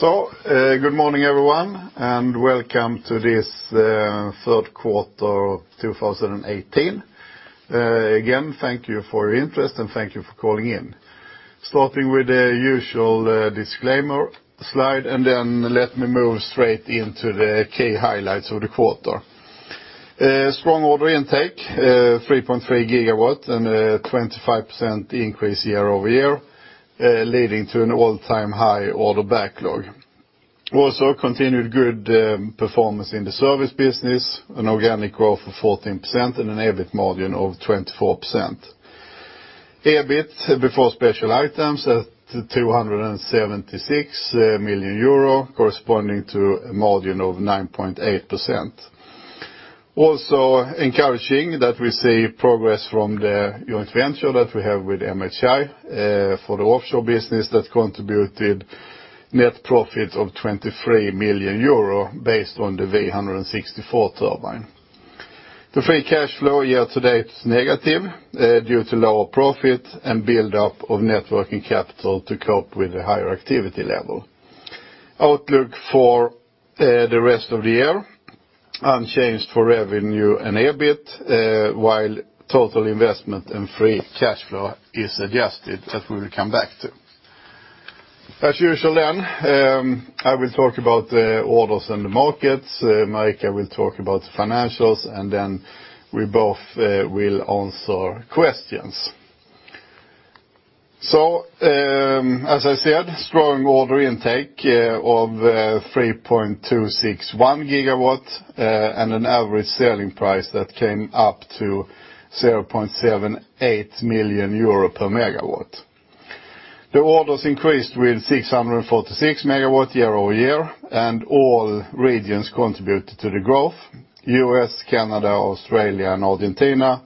Good morning, everyone, and welcome to this third quarter of 2018. Again, thank you for your interest, and thank you for calling in. Starting with the usual disclaimer slide, let me move straight into the key highlights of the quarter. Strong order intake, 3.3 GW, and a 25% increase year-over-year, leading to an all-time high order backlog. Continued good performance in the service business, an organic growth of 14%, and an EBIT margin of 24%. EBIT, before special items, at 276 million euro, corresponding to a margin of 9.8%. We see progress from the joint venture that we have with MHI for the offshore business that contributed net profit of 23 million euro, based on the V164 turbine. The free cash flow year-to-date is negative due to lower profit and build-up of net working capital to cope with the higher activity level. Outlook for the rest of the year, unchanged for revenue and EBIT, while total investment and free cash flow is adjusted, as we will come back to. As usual, I will talk about the orders and the markets. Marika will talk about the financials, we both will answer questions. As I said, strong order intake of 3.261 GW, and an average selling price that came up to 0.78 million euro per MW. The orders increased with 646 MW year-over-year, and all regions contributed to the growth. U.S., Canada, Australia, and Argentina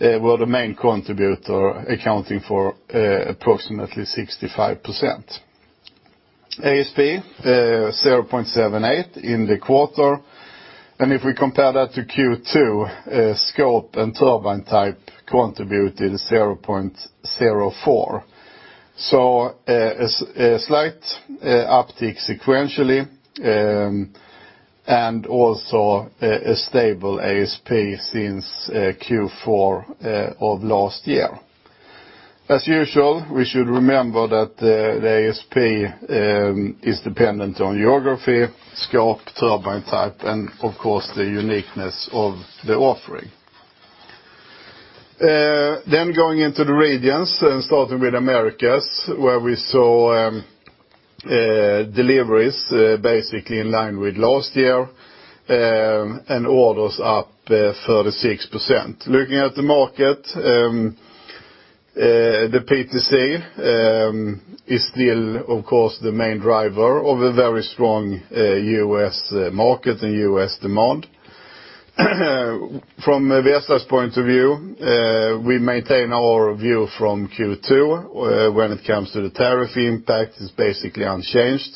were the main contributor, accounting for approximately 65%. ASP, 0.78 in the quarter. If we compare that to Q2, scope and turbine type contributed 0.04. A slight uptick sequentially, also a stable ASP since Q4 of last year. As usual, we should remember that the ASP is dependent on geography, scope, turbine type, and of course, the uniqueness of the offering. Going into the regions and starting with Americas, where we saw deliveries basically in line with last year, and orders up 36%. Looking at the market, the PTC is still, of course, the main driver of a very strong U.S. market and U.S. demand. From Vestas' point of view, we maintain our view from Q2 when it comes to the tariff impact, it's basically unchanged.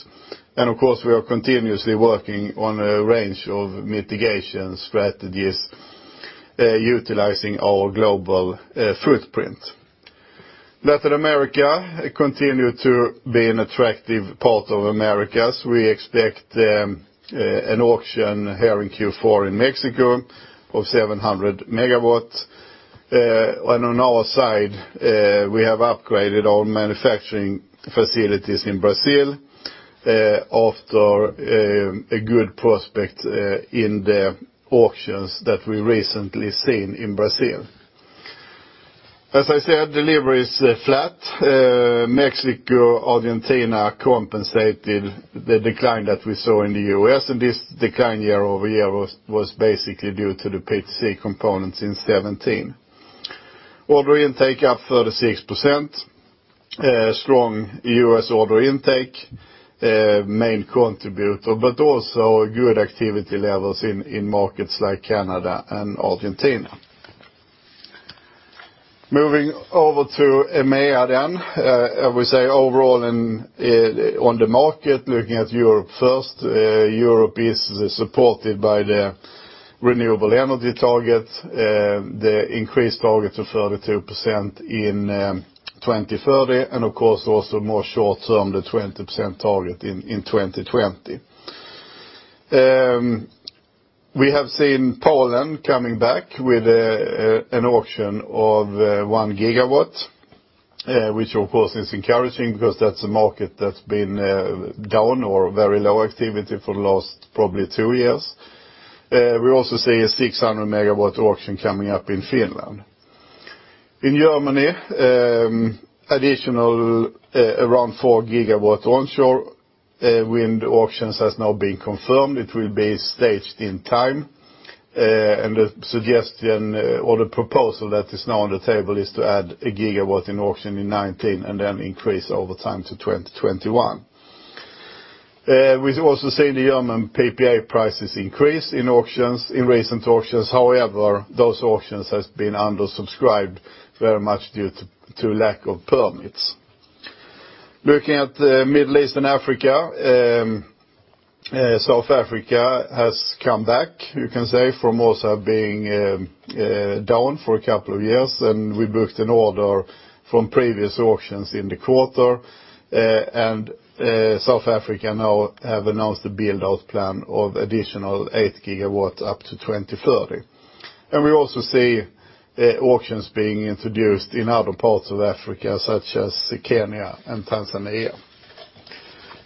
Of course, we are continuously working on a range of mitigation strategies, utilizing our global footprint. Latin America continued to be an attractive part of Americas. We expect an auction here in Q4 in Mexico of 700 MW. On our side, we have upgraded our manufacturing facilities in Brazil after a good prospect in the auctions that we've recently seen in Brazil. As I said, deliveries flat. Mexico, Argentina compensated the decline that we saw in the U.S., and this decline year-over-year was basically due to the PTC components in 2017. Order intake up 36%. Strong U.S. order intake, main contributor, but also good activity levels in markets like Canada and Argentina. Moving over to EMEA. Looking at Europe first, Europe is supported by the renewable energy target, the increased target to 32% in 2030, and of course, also more short-term, the 20% target in 2020. We have seen Poland coming back with an auction of one gigawatt, which of course is encouraging because that's a market that's been down or very low activity for the last probably two years. We also see a 600-megawatt auction coming up in Finland. In Germany, additional around four gigawatts onshore wind auctions has now been confirmed. It will be staged in time. The suggestion or the proposal that is now on the table is to add a gigawatt in auction in 2019, then increase over time to 2021. We've also seen the German PPA prices increase in recent auctions. However, those auctions has been undersubscribed very much due to lack of permits. Looking at Middle East and Africa-South Africa has come back, you can say, from also being down for a couple of years, and we booked an order from previous auctions in the quarter. South Africa now have announced a build-out plan of additional eight gigawatts up to 2030. We also see auctions being introduced in other parts of Africa, such as Kenya and Tanzania.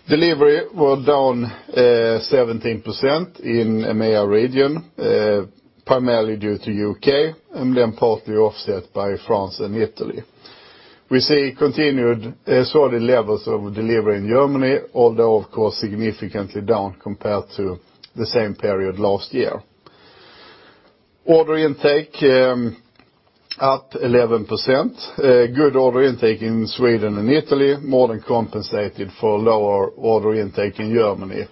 Delivery were down 17% in EMEA region, primarily due to U.K., then partly offset by France and Italy. We see continued solid levels of delivery in Germany, although, of course, significantly down compared to the same period last year. Order intake up 11%. Good order intake in Sweden and Italy more than compensated for lower order intake in Germany,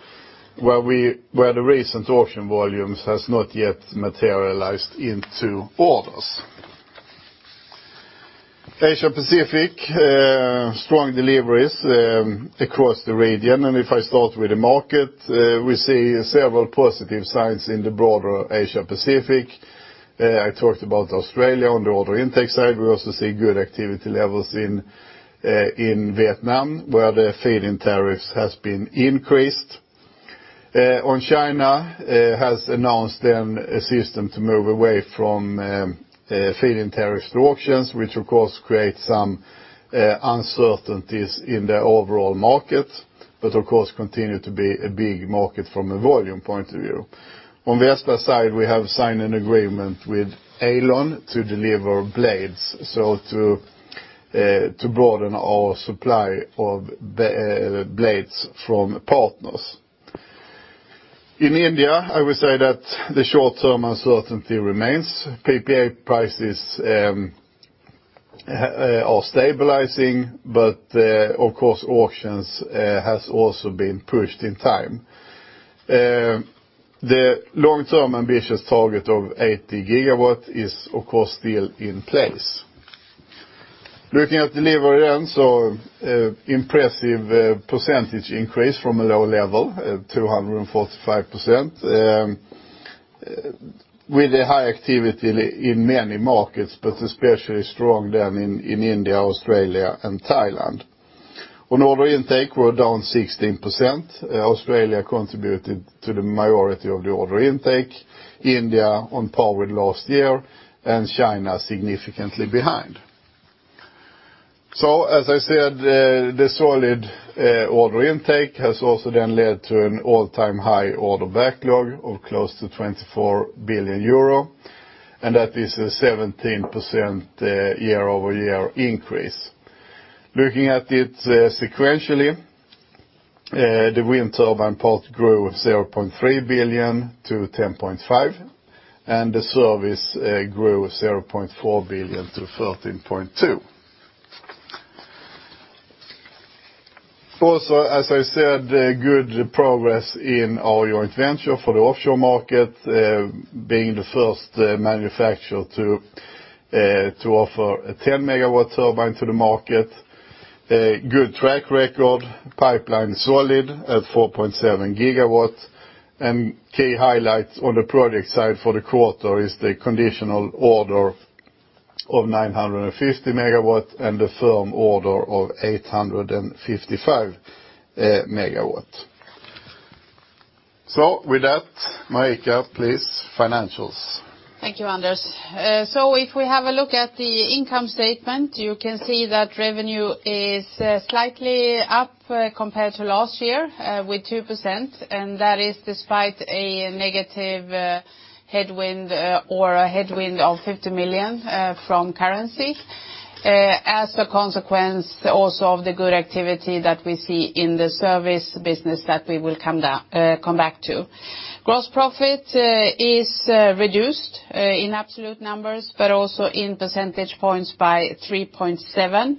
where the recent auction volumes has not yet materialized into orders. Asia Pacific, strong deliveries across the region. If I start with the market, we see several positive signs in the broader Asia Pacific. I talked about Australia on the order intake side. We also see good activity levels in Vietnam, where the feed-in tariffs has been increased. China has announced then a system to move away from feed-in tariffs to auctions, which of course creates some uncertainties in the overall market. Of course, continue to be a big market from a volume point of view. On Vestas side, we have signed an agreement with Aeolon to deliver blades, so to broaden our supply of blades from partners. In India, I would say that the short-term uncertainty remains. PPA prices are stabilizing, of course, auctions has also been pushed in time. The long-term ambitious target of 80 gigawatts is, of course, still in place. Looking at delivery again, impressive percentage increase from a low level of 245% with a high activity in many markets, especially strong then in India, Australia, and Thailand. On order intake, we're down 16%. Australia contributed to the majority of the order intake, India on par with last year, China significantly behind. As I said, the solid order intake has also then led to an all-time high order backlog of close to 24 billion euro, and that is a 17% year-over-year increase. Looking at it sequentially, the wind turbine part grew 0.3 billion to 10.5 billion, and the service grew 0.4 billion to 13.2 billion. Also, as I said, good progress in our joint venture for the offshore market, being the first manufacturer to offer a 10-megawatt turbine to the market. A good track record, pipeline solid at 4.7 gigawatts. Key highlights on the project side for the quarter is the conditional order of 950 megawatts and a firm order of 855 megawatts. With that, Marika, please, financials. Thank you, Anders. If we have a look at the income statement, you can see that revenue is slightly up compared to last year with 2%, and that is despite a negative headwind, or a headwind of 50 million from currency. As a consequence, also of the good activity that we see in the service business that we will come back to. Gross profit is reduced in absolute numbers, but also in percentage points by 3.7%,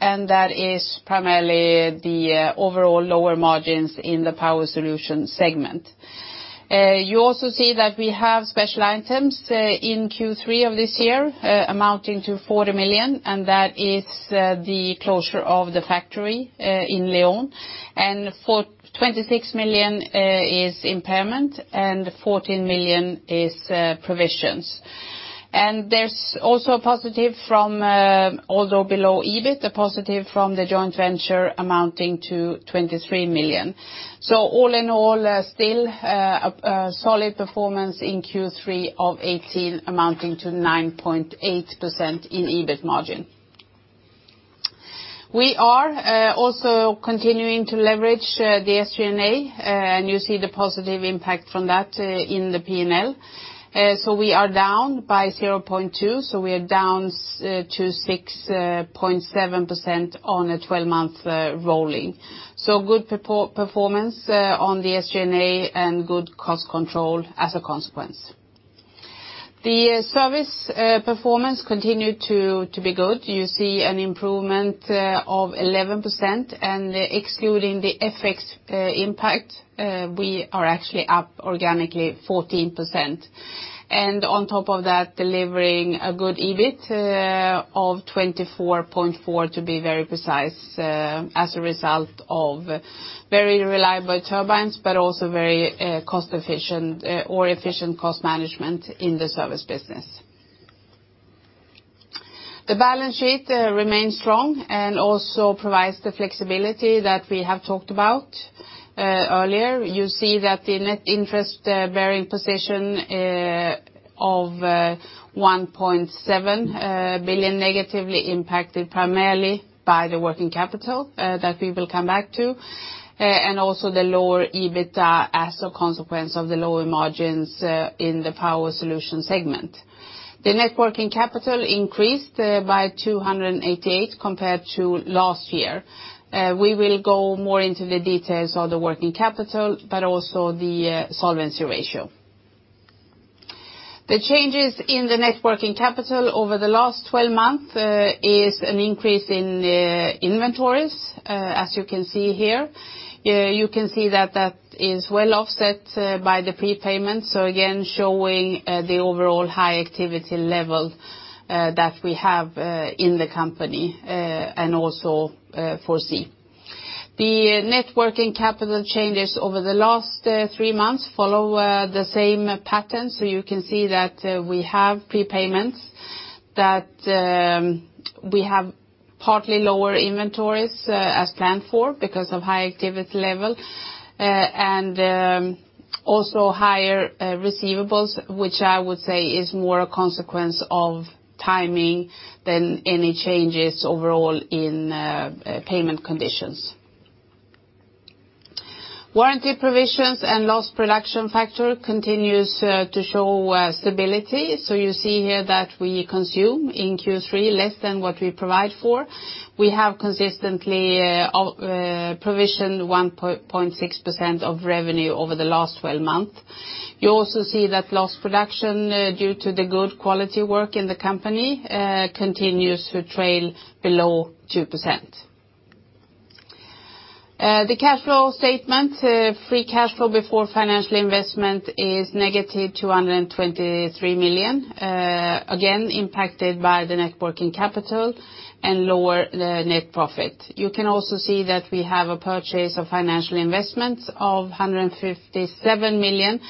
and that is primarily the overall lower margins in the Power Solutions segment. You also see that we have special items in Q3 of this year amounting to 40 million, and that is the closure of the factory in León. For 26 million is impairment, and 14 million is provisions. There's also a positive from, although below EBIT, a positive from the joint venture amounting to 23 million. All in all, still a solid performance in Q3 of 2018 amounting to 9.8% in EBIT margin. We are also continuing to leverage the SG&A, and you see the positive impact from that in the P&L. We are down by 0.2 percentage points, down to 6.7% on a 12-month rolling. Good performance on the SG&A and good cost control as a consequence. The service performance continued to be good. You see an improvement of 11%, and excluding the FX impact, we are actually up organically 14%. On top of that, delivering a good EBIT of 24.4% to be very precise, as a result of very reliable turbines, but also very cost efficient or efficient cost management in the service business. The balance sheet remains strong and also provides the flexibility that we have talked about earlier. You see that the net interest-bearing position of 1.7 billion negatively impacted primarily by the working capital that we will come back to, and also the lower EBITDA as a consequence of the lower margins in the Power Solutions segment. The net working capital increased by 288 million compared to last year. We will go more into the details of the working capital, but also the solvency ratio. The changes in the net working capital over the last 12 months is an increase in inventories, as you can see here. You can see that that is well offset by the prepayment. Again, showing the overall high activity level that we have in the company, and also foresee. The net working capital changes over the last three months follow the same pattern, you can see that we have prepayments, that we have partly lower inventories as planned for because of high activity level. Also higher receivables, which I would say is more a consequence of timing than any changes overall in payment conditions. Warranty provisions and Lost Production Factor continues to show stability. You see here that we consume in Q3 less than what we provide for. We have consistently provisioned 1.6% of revenue over the last 12 months. You also see that Lost Production due to the good quality work in the company continues to trail below 2%. The cash flow statement, free cash flow before financial investment is negative 223 million, again, impacted by the net working capital and lower net profit. You can also see that we have a purchase of financial investments of 157 million,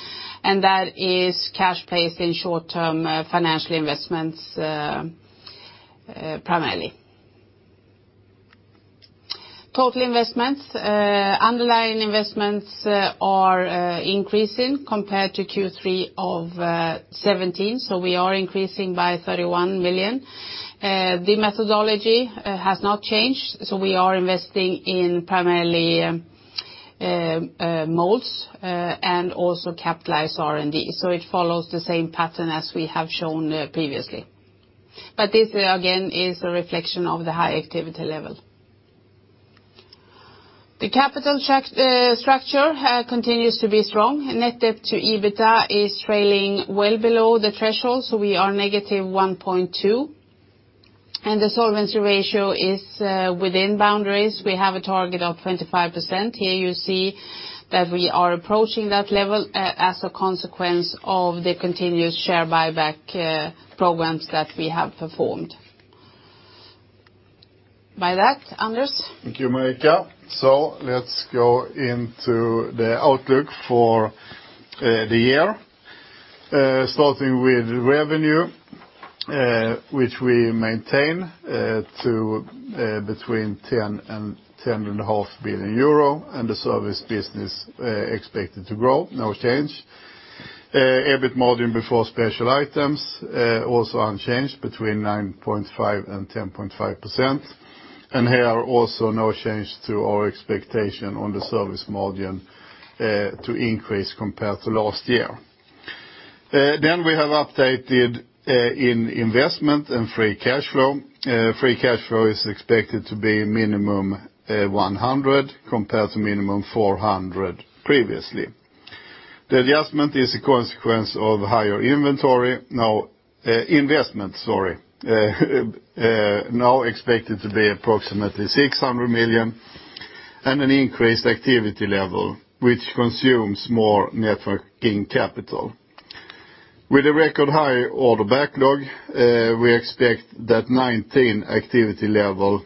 and that is cash placed in short-term financial investments primarily. Total investments. Underlying investments are increasing compared to Q3 of 2017, so we are increasing by 31 million. The methodology has not changed, so we are investing in primarily molds and also capitalized R&D. It follows the same pattern as we have shown previously. This, again, is a reflection of the high activity level. The capital structure continues to be strong. Net debt to EBITDA is trailing well below the threshold, so we are negative 1.2, and the solvency ratio is within boundaries. We have a target of 25%. Here you see that we are approaching that level as a consequence of the continuous share buyback programs that we have performed. By that, Anders. Thank you, Marika. Let's go into the outlook for the year. Starting with revenue, which we maintain to between 10 billion euro and 10.5 billion euro, and the service business expected to grow, no change. EBIT margin before special items, also unchanged between 9.5%-10.5%. Here also no change to our expectation on the service margin to increase compared to last year. We have updated in investment and free cash flow. Free cash flow is expected to be minimum 100 million compared to minimum 400 million previously. The adjustment is a consequence of higher investment, sorry, now expected to be approximately 600 million, and an increased activity level, which consumes more net working capital. With a record high order backlog, we expect that 2019 activity level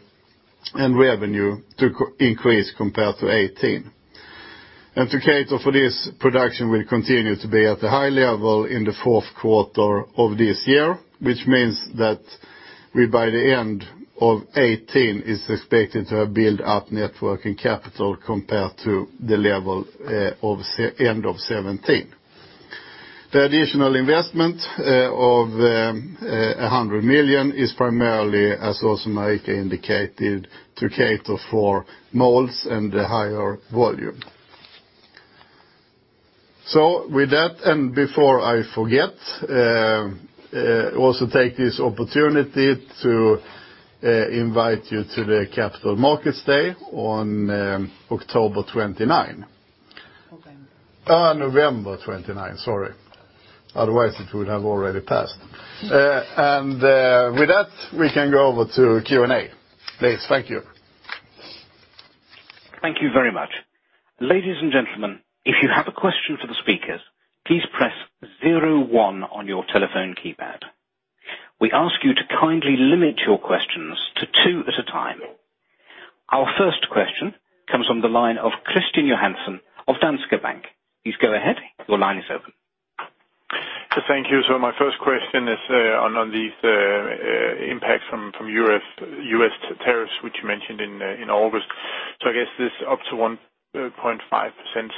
and revenue to increase compared to 2018. To cater for this, production will continue to be at the high level in the fourth quarter of this year, which means that we by the end of 2018 is expected to have built up net working capital compared to the level of end of 2017. The additional investment of 100 million is primarily, as also Marika indicated, to cater for molds and the higher volume. With that, and before I forget, also take this opportunity to invite you to the Capital Markets Day on November 29. Sorry. Otherwise, it would have already passed. With that, we can go over to Q&A. Please. Thank you. Thank you very much. Ladies and gentlemen, if you have a question for the speakers, please press 01 on your telephone keypad. We ask you to kindly limit your questions to two at a time. Our first question comes from the line of Kristian Johansen of Danske Bank. Please go ahead. Your line is open. Thank you. My first question is on the impact from U.S. tariffs, which you mentioned in August. I guess this up to 1.5%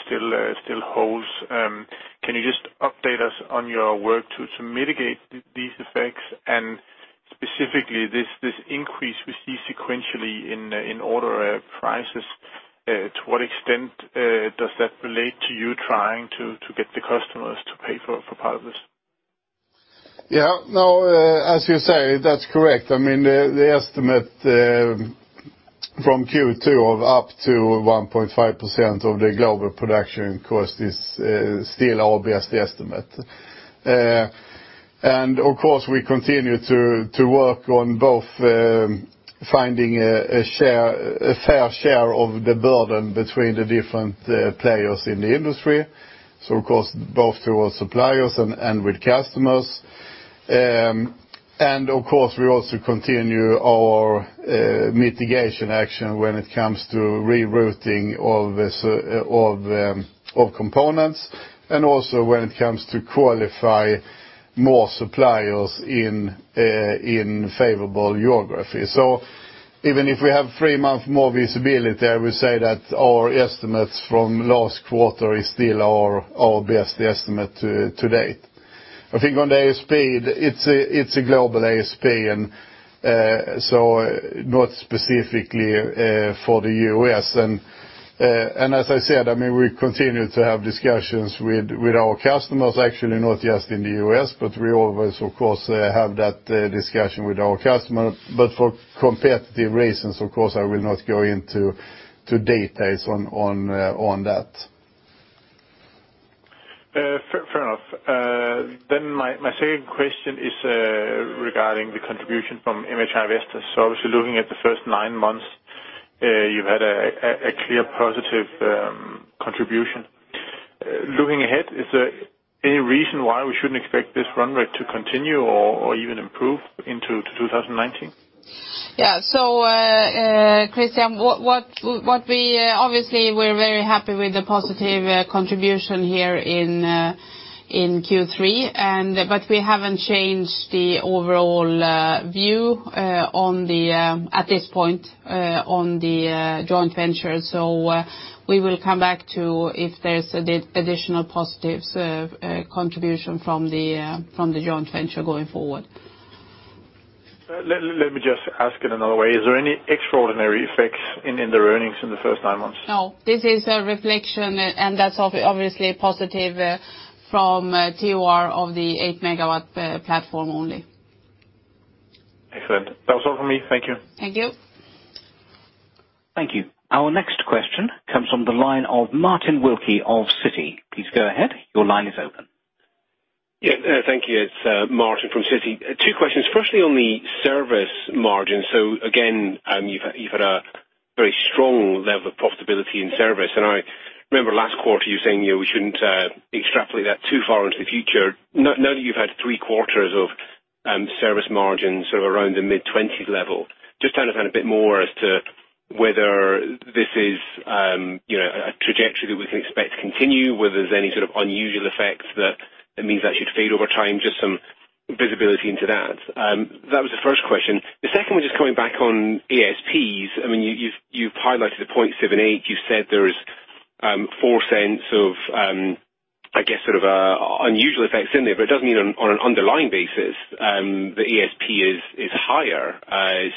still holds. Can you just update us on your work to mitigate these effects and specifically this increase we see sequentially in order prices? To what extent does that relate to you trying to get the customers to pay for part of this? As you say, that's correct. The estimate from Q2 of up to 1.5% of the global production cost is still our best estimate. Of course, we continue to work on both finding a fair share of the burden between the different players in the industry. Of course, both to our suppliers and with customers. Of course, we also continue our mitigation action when it comes to rerouting all components, and also when it comes to qualify more suppliers in favorable geographies. Even if we have three months more visibility, I would say that our estimates from last quarter is still our best estimate to date. I think on the ASP, it's a global ASP, so not specifically for the U.S. As I said, we continue to have discussions with our customers, actually, not just in the U.S., but we always, of course, have that discussion with our customer. For competitive reasons, of course, I will not go into details on that. Fair enough. My second question is regarding the contribution from MHI Vestas. Obviously looking at the first nine months, you've had a clear positive contribution. Looking ahead, is there any reason why we shouldn't expect this run rate to continue or even improve into 2019? Yeah. Kristian, obviously, we're very happy with the positive contribution here in Q3. We haven't changed the overall view, at this point, on the joint venture. We will come back to if there's additional positives contribution from the joint venture going forward. Let me just ask it another way. Is there any extraordinary effects in the earnings in the first nine months? No. This is a reflection, and that's obviously positive from TOR of the 8MW platform only. Excellent. That was all from me. Thank you. Thank you. Thank you. Our next question comes from the line of Martin Wilkie of Citi. Please go ahead. Your line is open. Thank you. It's Martin from Citi. Two questions. Firstly, on the service margin. Again, you've had a very strong level of profitability in service, and I remember last quarter you saying we shouldn't extrapolate that too far into the future. Now that you've had three quarters of service margins of around the mid-20 level, just trying to find a bit more as to whether this is a trajectory that we can expect to continue, whether there's any sort of unusual effects that means that should fade over time, just some visibility into that. That was the first question. The second one, just coming back on ASPs. You've highlighted the 0.78. You've said there's 0.04 of, I guess, sort of unusual effects in there, but it doesn't mean on an underlying basis, the ASP is higher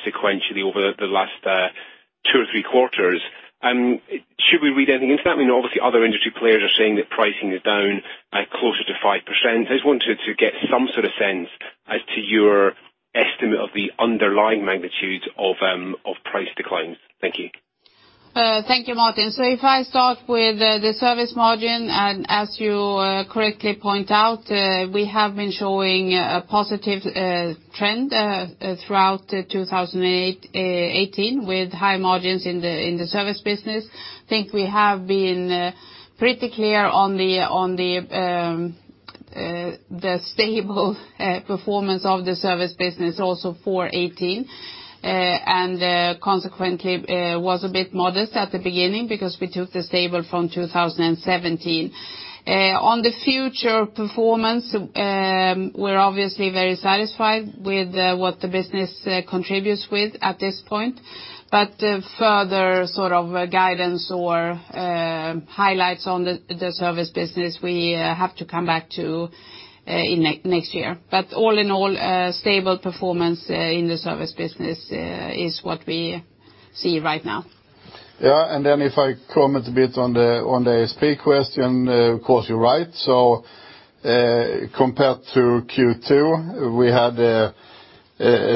sequentially over the last two or three quarters. Should we read anything into that? I mean, obviously other industry players are saying that pricing is down closer to 5%. I just wanted to get some sort of sense as to your estimate of the underlying magnitude of price declines. Thank you. Thank you, Martin. If I start with the service margin, as you correctly point out, we have been showing a positive trend throughout 2018 with high margins in the service business. I think we have been pretty clear on the stable performance of the service business also for 2018, and consequently was a bit modest at the beginning because we took this table from 2017. On the future performance, we are obviously very satisfied with what the business contributes with at this point. Further sort of guidance or highlights on the service business, we have to come back to next year. All in all, stable performance in the service business is what we see right now. Yeah. If I comment a bit on the ASP question, of course, you are right. Compared to Q2, we had a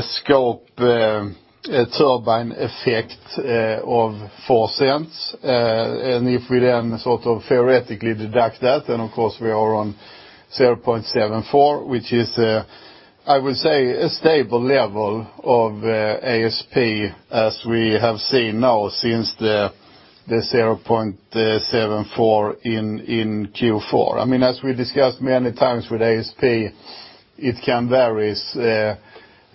scope turbine effect of 0.04. If we theoretically deduct that, of course, we are on 0.74, which is, I would say, a stable level of ASP, as we have seen now since the 0.74 in Q4. We discussed many times with ASP, it can vary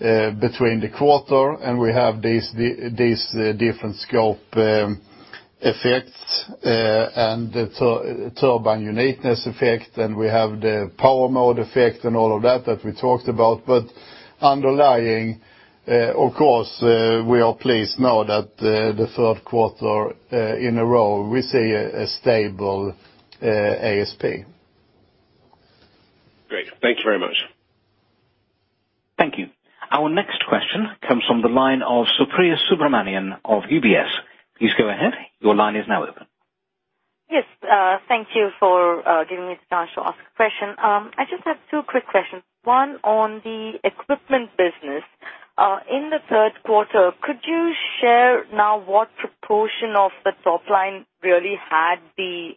between the quarter, we have these different scope effects and the turbine uniqueness effect, we have the power mode effect and all of that that we talked about. Underlying, of course, we are pleased now that the third quarter in a row, we see a stable ASP. Great. Thank you very much. Thank you. Our next question comes from the line of Supriya Subramanian of UBS. Please go ahead. Your line is now open. Yes, thank you for giving me this chance to ask a question. I just have two quick questions. One on the equipment business. In the third quarter, could you share now what proportion of the top line really had the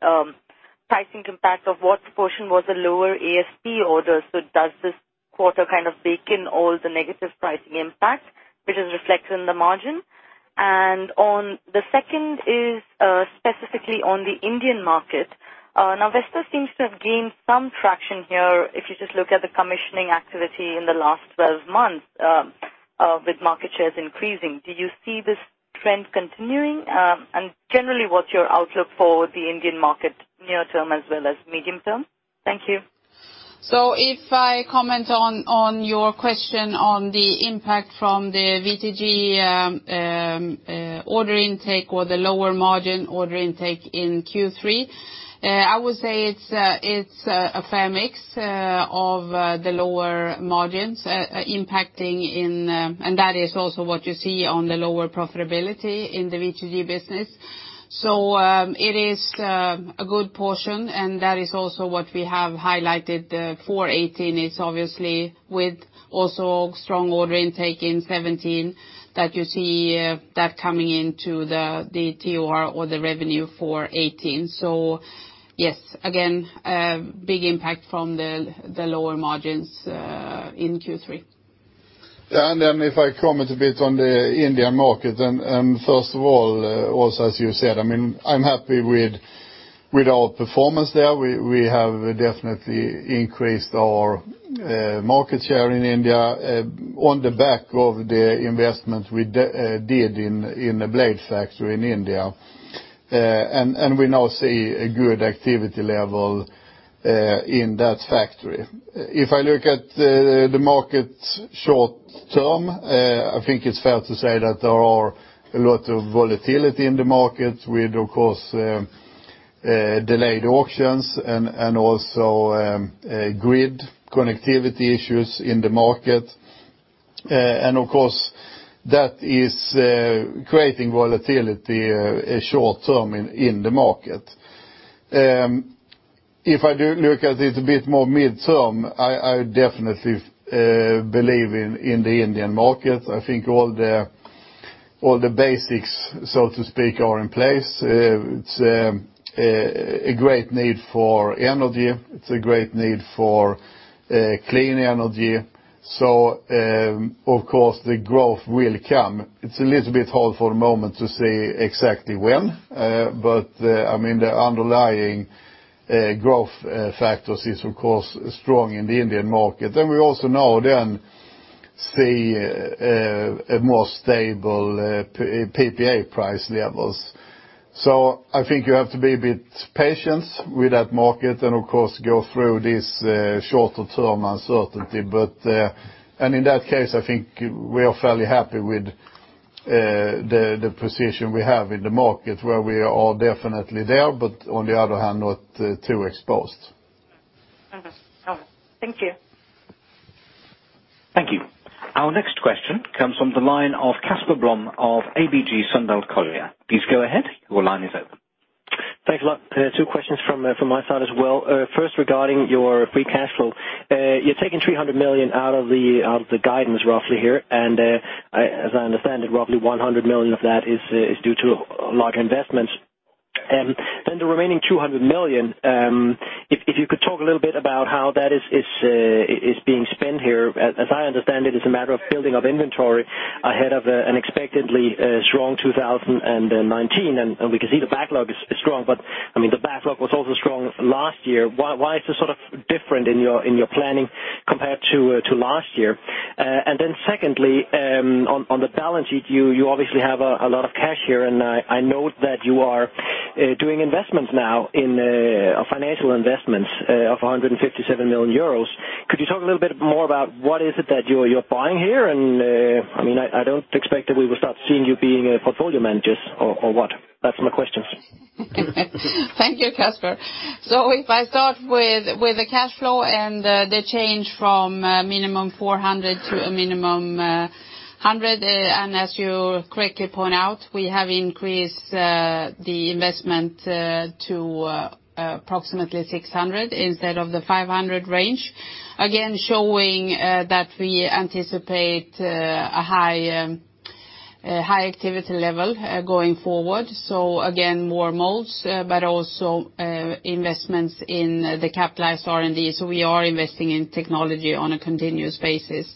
pricing impact? Of what proportion was the lower ASP orders? Does this quarter bake in all the negative pricing impact, which is reflected in the margin? On the second is, specifically on the Indian market. Vestas seems to have gained some traction here. If you just look at the commissioning activity in the last 12 months, with market shares increasing. Do you see this trend continuing? Generally, what's your outlook for the Indian market near term as well as medium term? Thank you. If I comment on your question on the impact from the PTC order intake or the lower margin order intake in Q3, I would say it's a fair mix of the lower margins impacting in. That is also what you see on the lower profitability in the PTC business. It is a good portion, and that is also what we have highlighted for 2018, is obviously with also strong order intake in 2017, that you see that coming into the TOR or the revenue for 2018. Yes, again, a big impact from the lower margins in Q3. If I comment a bit on the Indian market, first of all, also, as you said, I'm happy with our performance there. We have definitely increased our market share in India on the back of the investment we did in the blades factory in India. We now see a good activity level in that factory. If I look at the market short term, I think it's fair to say that there are a lot of volatility in the market with, of course, delayed auctions and also grid connectivity issues in the market. Of course, that is creating volatility short term in the market. If I do look at it a bit more midterm, I definitely believe in the Indian market. I think all the basics, so to speak, are in place. It's a great need for energy. It's a great need for clean energy. Of course, the growth will come. It's a little bit hard for the moment to say exactly when, but the underlying growth factors is, of course, strong in the Indian market. We also now then see a more stable PPA price levels. I think you have to be a bit patient with that market and, of course, go through this shorter term uncertainty. In that case, I think we are fairly happy with the position we have in the market where we are definitely there, but on the other hand, not too exposed. Understood. Thank you. Thank you. Our next question comes from the line of Casper Blom of ABG Sundal Collier. Please go ahead. Your line is open. Thanks a lot. Two questions from my side as well. First, regarding your free cash flow. You're taking 300 million out of the guidance roughly here, and as I understand it, roughly 100 million of that is due to large investments. The remaining 200 million, if you could talk a little bit about how that is being spent here. As I understand it's a matter of building up inventory ahead of an expectedly strong 2019, and we can see the backlog is strong, but the backlog was also strong last year. Why is this different in your planning compared to last year? Secondly, on the balance sheet, you obviously have a lot of cash here, and I note that you are doing investments now in, financial investments of 157 million euros. Could you talk a little bit more about what is it that you're buying here? I don't expect that we will start seeing you being portfolio managers or what. That's my questions. Thank you, Casper. If I start with the cash flow and the change from a minimum 400 to a minimum 100, as you correctly point out, we have increased the investment to approximately 600 instead of the 500 range. Showing that we anticipate a high activity level going forward. More molds, but also investments in the capitalized R&D. We are investing in technology on a continuous basis.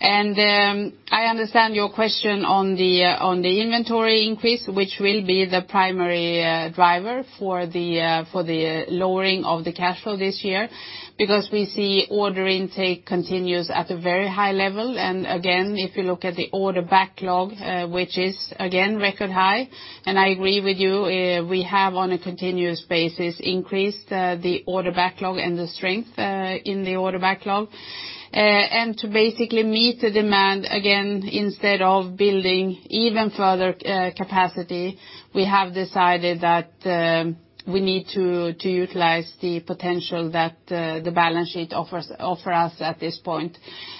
I understand your question on the inventory increase, which will be the primary driver for the lowering of the cash flow this year, because we see order intake continues at a very high level. If you look at the order backlog, which is again, record high, I agree with you, we have on a continuous basis increased the order backlog and the strength in the order backlog. To basically meet the demand, again, instead of building even further capacity, we have decided that we need to utilize the potential that the balance sheet offer us at this point.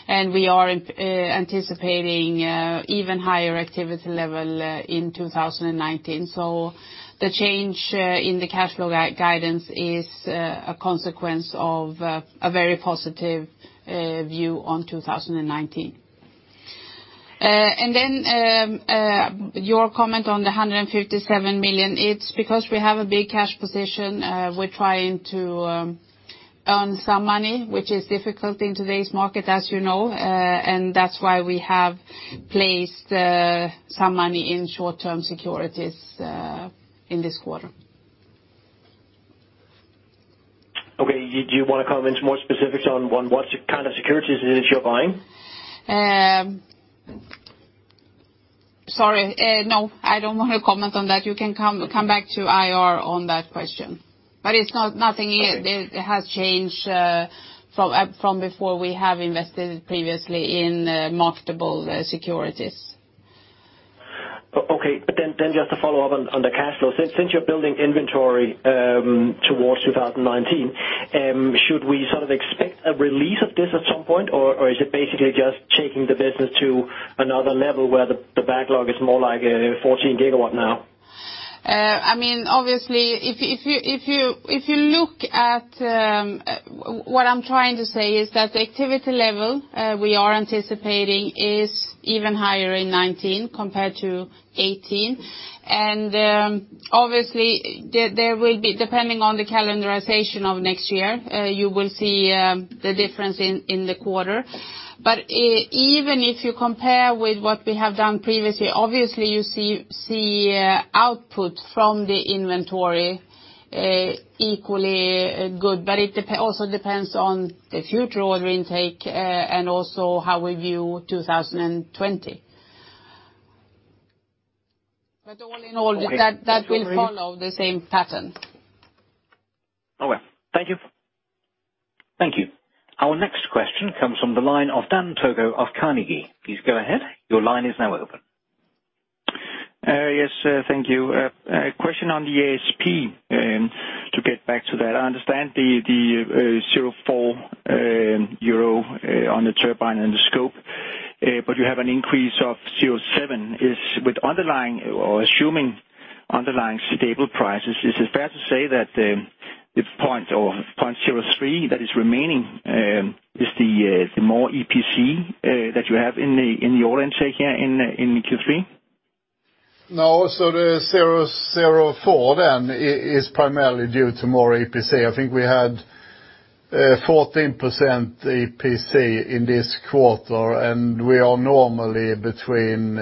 We are anticipating even higher activity level in 2019. The change in the cash flow guidance is a consequence of a very positive view on 2019. Your comment on the 157 million, it's because we have a big cash position. We're trying to earn some money, which is difficult in today's market, as you know, that's why we have placed some money in short-term securities in this quarter. Okay. Do you want to comment more specifics on what kind of securities it is you're buying? Sorry, no, I don't want to comment on that. You can come back to IR on that question. It's nothing here that has changed from before we have invested previously in marketable securities. Okay. Just to follow up on the cash flow, since you're building inventory towards 2019, should we sort of expect a release of this at some point? Or is it basically just taking the business to another level where the backlog is more like a 14 gigawatt now? What I'm trying to say is that the activity level we are anticipating is even higher in 2019 compared to 2018. Obviously, there will be, depending on the calendarization of next year, you will see the difference in the quarter. Even if you compare with what we have done previously, obviously you see output from the inventory equally good, but it also depends on the future order intake and also how we view 2020. All in all, that will follow the same pattern. Okay. Thank you. Thank you. Our next question comes from the line of Dan Togo of Carnegie. Please go ahead, your line is now open. Yes, thank you. A question on the ASP, to get back to that. I understand the 0.04 euro on the turbine and the scope, but you have an increase of 0.07. With underlying or assuming underlying stable prices, is it fair to say that the point or 0.03 that is remaining, is the more EPC that you have in the order intake in Q3? No, the 0.04 then is primarily due to more EPC. I think we had 14% EPC in this quarter, and we are normally between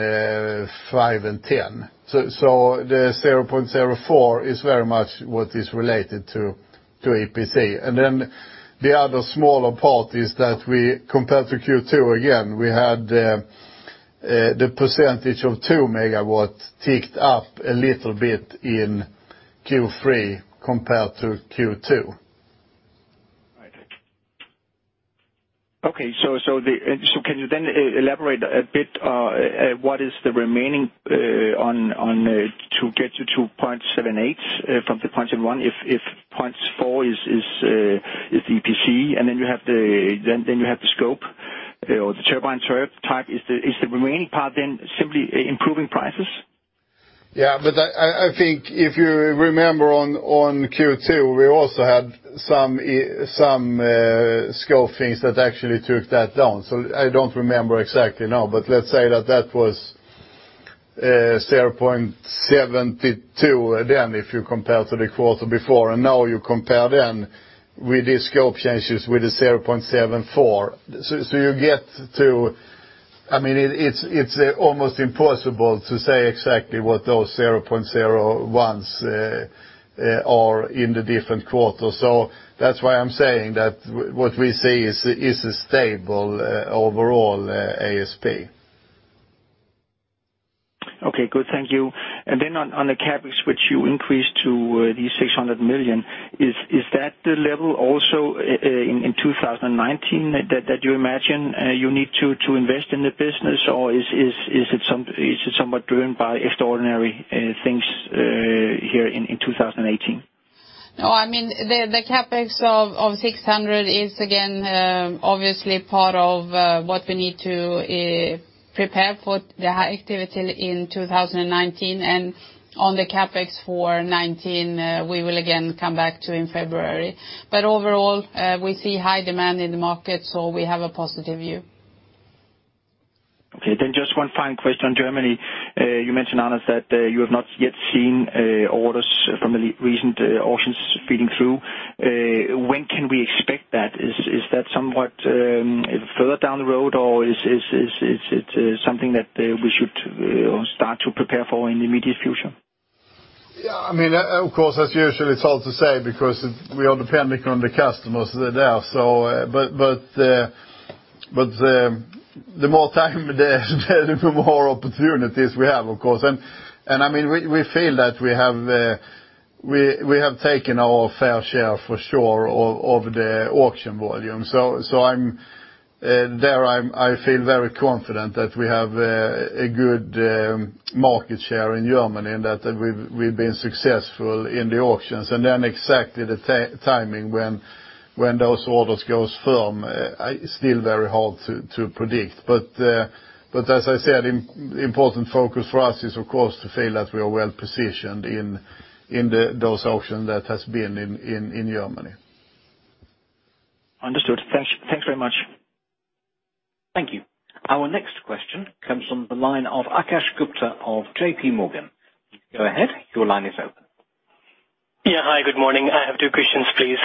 five and 10. The 0.04 is very much what is related to EPC. The other smaller part is that we, compared to Q2, again, we had the percentage of 2 megawatts ticked up a little bit in Q3 compared to Q2. Right. Okay, can you then elaborate a bit, what is the remaining to get you to 0.78 from the 0.71 if 0.04 is the EPC, and then you have the scope or the turbine type, is the remaining part then simply improving prices? Yeah, I think if you remember on Q2, we also had some scope things that actually took that down. I don't remember exactly now, but let's say that that was 0.72 then if you compare to the quarter before, and now you compare then with the scope changes with the EUR 0.74. You get to, it's almost impossible to say exactly what those EUR 0.01s are in the different quarters. That's why I'm saying that what we see is a stable overall ASP. Okay, good. Thank you. On the CapEx, which you increased to the 600 million, is that the level also in 2019 that you imagine you need to invest in the business? Or is it somewhat driven by extraordinary things here in 2018? No, the CapEx of 600 is again, obviously part of what we need to prepare for the high activity in 2019. On the CapEx for 2019, we will again come back to in February. Overall, we see high demand in the market, we have a positive view. Okay. Just one final question. Germany, you mentioned, Anders, that you have not yet seen orders from the recent auctions feeding through. When can we expect that? Is that somewhat further down the road, or is it something that we should start to prepare for in the immediate future? Yeah, of course, as usual, it's hard to say, because we are depending on the customers that are there. The more time there the more opportunities we have, of course. We feel that we have taken our fair share for sure of the auction volume. There I feel very confident that we have a good market share in Germany, and that we've been successful in the auctions. Exactly the timing when those orders goes firm, still very hard to predict. As I said, important focus for us is, of course, to feel that we are well-positioned in those auction that has been in Germany. Understood. Thanks very much. Thank you. Our next question comes from the line of Aakash Gupta of J.P. Morgan. Go ahead, your line is open. Hi, good morning. I have two questions, please.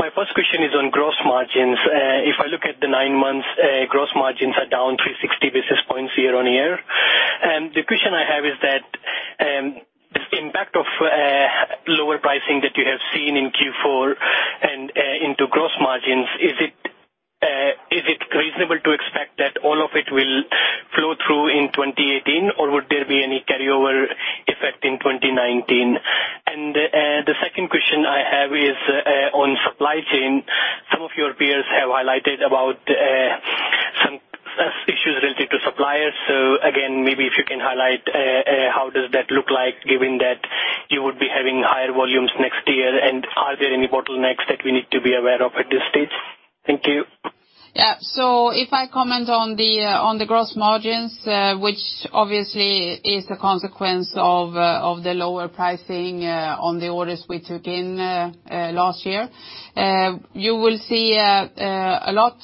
My first question is on gross margins. If I look at the nine months, gross margins are down 360 basis points year-on-year. The question I have is that, impact of lower pricing that you have seen in Q4 and into gross margins, is it reasonable to expect that all of it will flow through in 2018? Or would there be any carryover effect in 2019? The second question I have is on supply chain. Some of your peers have highlighted about some issues related to suppliers. Again, maybe if you can highlight, how does that look like given that you would be having higher volumes next year? Are there any bottlenecks that we need to be aware of at this stage? Thank you. If I comment on the gross margins, which obviously is a consequence of the lower pricing on the orders we took in last year. You will see a lot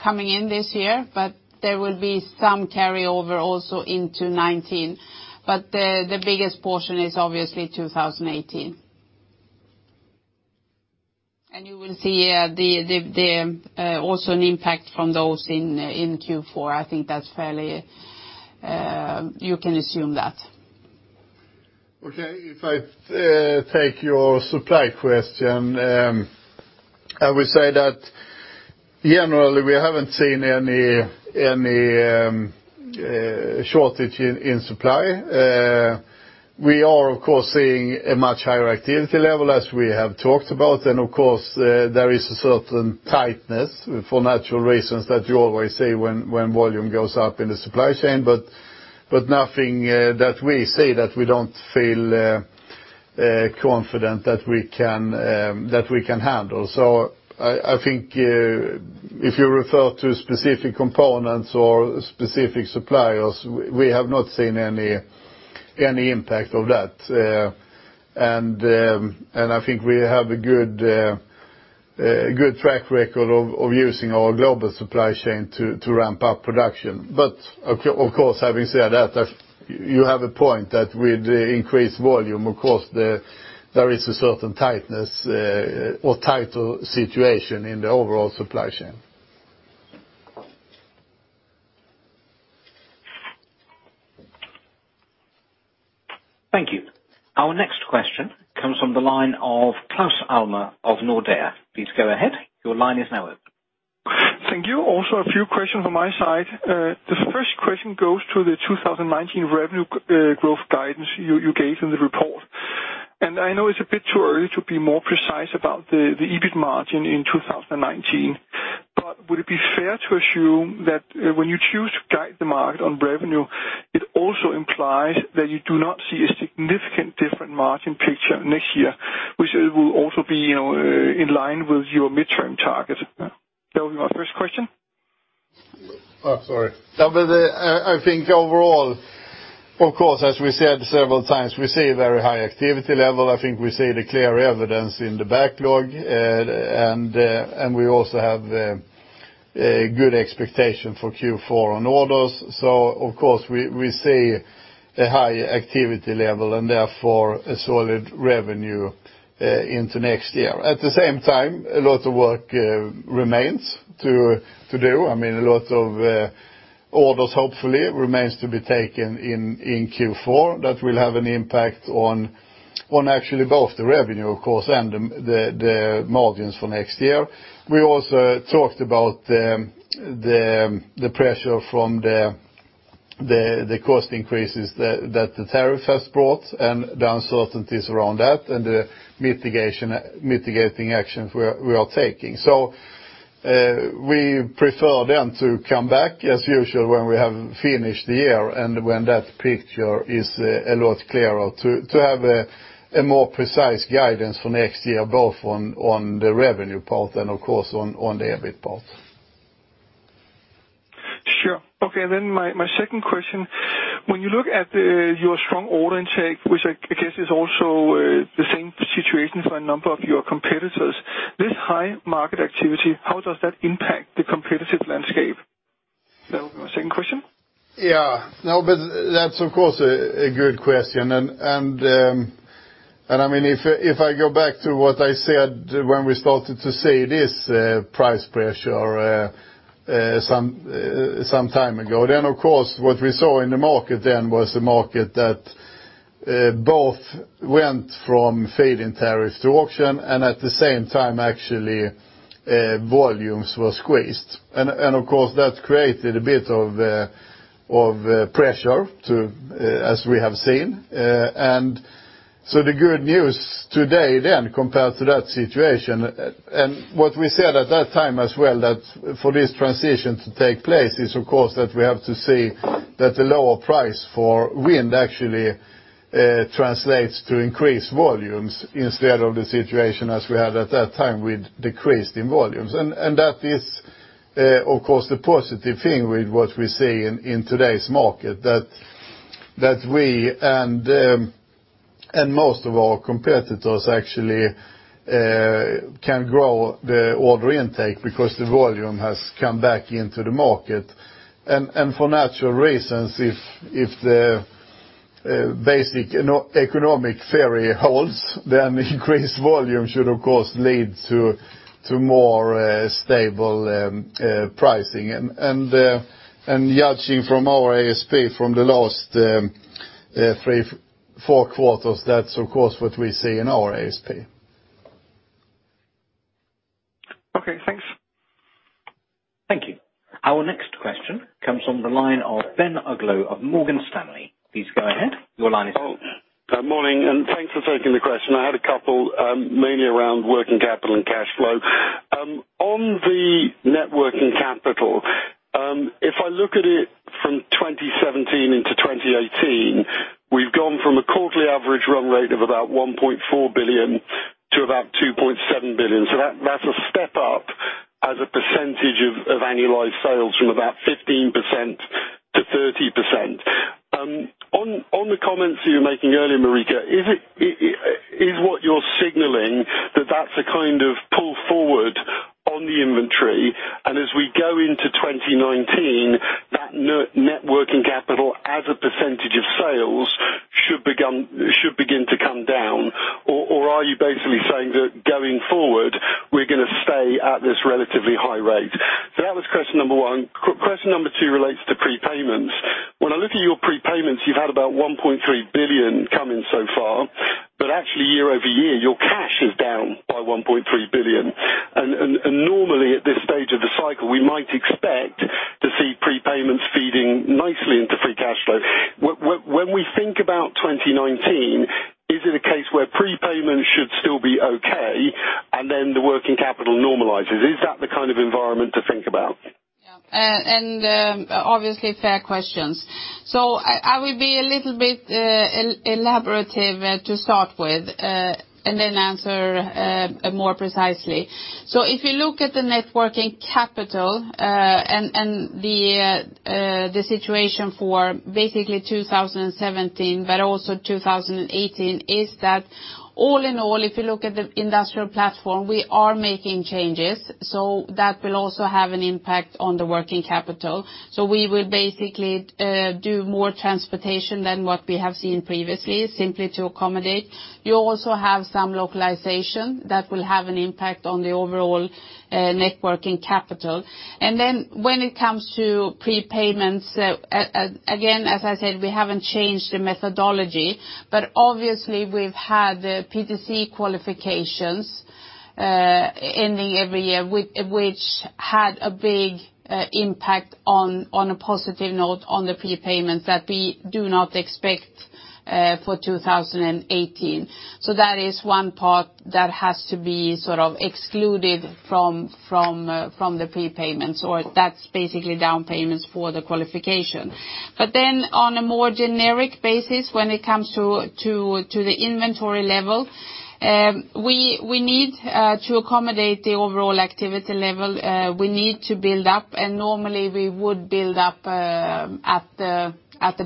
coming in this year, but there will be some carryover also into 2019. The biggest portion is obviously 2018. You will see also an impact from those in Q4. I think you can assume that. Okay. If I take your supply question, I would say that generally we haven't seen any shortage in supply. We are of course seeing a much higher activity level as we have talked about, and of course there is a certain tightness for natural reasons that you always see when volume goes up in the supply chain, but nothing that we see that we don't feel confident that we can handle. I think if you refer to specific components or specific suppliers, we have not seen any impact of that. I think we have a good track record of using our global supply chain to ramp up production. Of course, having said that, you have a point that with increased volume, of course, there is a certain tightness or tighter situation in the overall supply chain. Thank you. Our next question comes from the line of Claus Almer of Nordea. Please go ahead. Your line is now open. Thank you. Also, a few questions from my side. The first question goes to the 2019 revenue growth guidance you gave in the report, and I know it's a bit too early to be more precise about the EBIT margin in 2019, but would it be fair to assume that when you choose to guide the market on revenue, it also implies that you do not see a significant different margin picture next year, which it will also be in line with your midterm target? That would be my first question. Oh, sorry. I think overall, of course, as we said several times, we see a very high activity level. I think we see the clear evidence in the backlog, we also have a good expectation for Q4 on orders. Of course we see a high activity level and therefore a solid revenue into next year. At the same time, a lot of work remains to do. A lot of orders hopefully remains to be taken in Q4 that will have an impact on actually both the revenue, of course, and the margins for next year. We also talked about the pressure from the cost increases that the tariff has brought and the uncertainties around that, and the mitigating actions we are taking. We prefer then to come back as usual when we have finished the year and when that picture is a lot clearer to have a more precise guidance for next year, both on the revenue part and of course, on the EBIT part. Sure. Okay. My second question, when you look at your strong order intake, which I guess is also the same situation for a number of your competitors, this high market activity, how does that impact the competitive landscape? That will be my second question. That's of course a good question. If I go back to what I said when we started to see this price pressure some time ago, then of course, what we saw in the market then was a market that both went from feed-in tariffs to auction, and at the same time, actually, volumes were squeezed. Of course, that created a bit of pressure, as we have seen. The good news today then, compared to that situation, and what we said at that time as well, that for this transition to take place, is of course that we have to see that the lower price for wind actually translates to increased volumes instead of the situation as we had at that time with decreased in volumes. That is, of course, the positive thing with what we see in today's market, that we and most of our competitors actually can grow the order intake because the volume has come back into the market. For natural reasons, if the basic economic theory holds, then increased volume should of course lead to more stable pricing. Judging from our ASP from the last 4 quarters, that's of course what we see in our ASP. Okay, thanks. Thank you. Our next question comes from the line of Ben Uglow of Morgan Stanley. Please go ahead. Your line is open. Morning. Thanks for taking the question. I had a couple mainly around working capital and cash flow. On the net working capital, if I look at it from 2017 into 2018, we've gone from a quarterly average run rate of about 1.4 billion to about 2.7 billion. That's a step up as a percentage of annualized sales from about 15% to 30%. On the comments you were making earlier, Marika, is what you're signaling that that's a kind of pull forward on the inventory, and as we go into 2019, that net working capital as a percentage of sales should begin to come down? Or are you basically saying that going forward, we're going to stay at this relatively high rate? That was question number one. Question number two relates to prepayments. When I look at your prepayments, you've had about 1.3 billion come in so far. Actually year-over-year, your cash is down by 1.3 billion. Normally at this stage of the cycle, we might expect to see prepayments feeding nicely into free cash flow. When we think about 2019, is it a case where prepayment should still be okay and then the working capital normalizes? Is that the kind of environment to think about? Obviously fair questions. I will be a little bit elaborative, to start with, and then answer more precisely. If you look at the net working capital, the situation for basically 2017 but also 2018, is that all in all, if you look at the industrial platform, we are making changes. That will also have an impact on the working capital. We will basically do more transportation than what we have seen previously, simply to accommodate. You also have some localization that will have an impact on the overall net working capital. When it comes to prepayments, again, as I said, we haven't changed the methodology. Obviously we've had the PTC qualifications ending every year, which had a big impact on a positive note on the prepayments that we do not expect for 2018. That is one part that has to be sort of excluded from the prepayments, or that's basically down payments for the qualification. On a more generic basis, when it comes to the inventory level, we need to accommodate the overall activity level. We need to build up, normally we would build up at the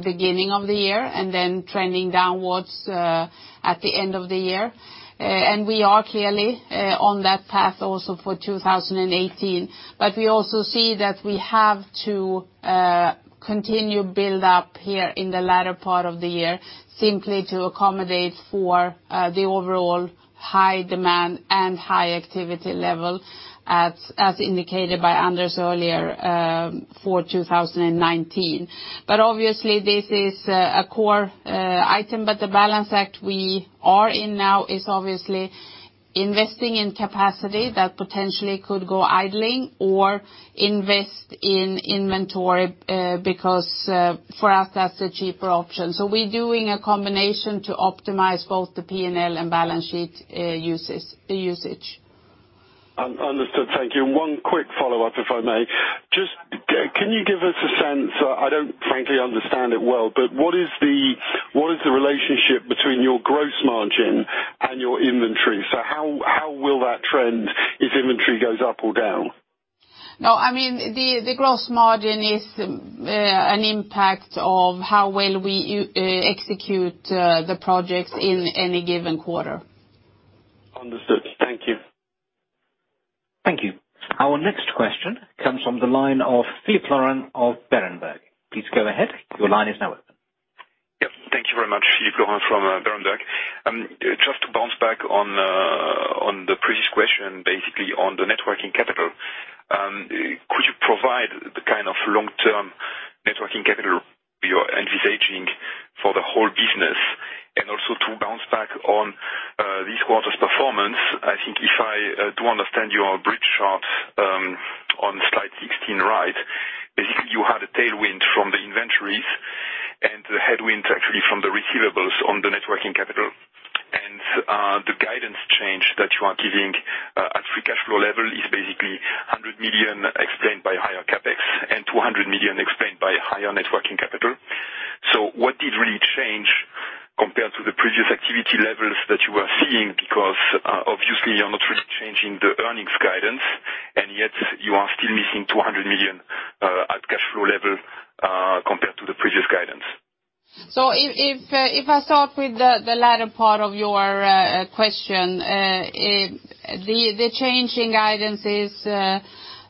beginning of the year, then trending downwards at the end of the year. We are clearly on that path also for 2018. We also see that we have to continue build up here in the latter part of the year, simply to accommodate for the overall high demand and high activity level as indicated by Anders earlier, for 2019. Obviously this is a core item, the balance act we are in now is obviously investing in capacity that potentially could go idling or invest in inventory, because, for us, that's the cheaper option. We're doing a combination to optimize both the P&L and balance sheet usage. Understood. Thank you. One quick follow-up, if I may. Can you give us a sense, I don't frankly understand it well, what is the relationship between your gross margin and your inventory? How will that trend if inventory goes up or down? The gross margin is an impact of how well we execute the projects in any given quarter. Understood. Thank you. Thank you. Our next question comes from the line of Philippe Laurent of Berenberg. Please go ahead. Your line is now open. Thank you very much, Philippe Laurent from Berenberg. Just to bounce back on the previous question, basically on the net working capital. Could you provide the kind of long-term net working capital you're envisaging for the whole business? Also to bounce back on this quarter's performance, I think if I do understand your bridge chart, on slide 16 right, basically you had a tailwind from the inventories and the headwinds actually from the receivables on the net working capital. The guidance change that you are giving, at free cash flow level is basically 100 million explained by higher CapEx and 200 million explained by higher net working capital. What did really change compared to the previous activity levels that you were seeing? Obviously you're not really changing the earnings guidance and yet you are still missing 200 million, at cash flow level, compared to the previous guidance. If I start with the latter part of your question, the change in guidance is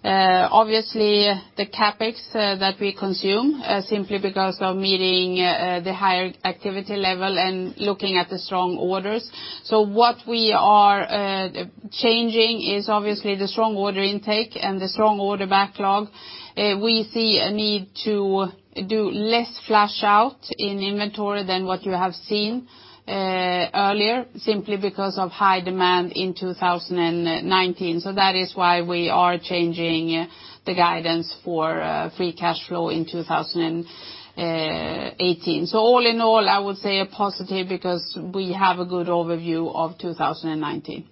obviously the CapEx that we consume, simply because of meeting the higher activity level and looking at the strong orders. What we are changing is obviously the strong order intake and the strong order backlog. We see a need to do less flush out in inventory than what you have seen earlier, simply because of high demand in 2019. That is why we are changing the guidance for free cash flow in 2018. All in all, I would say a positive because we have a good overview of 2019.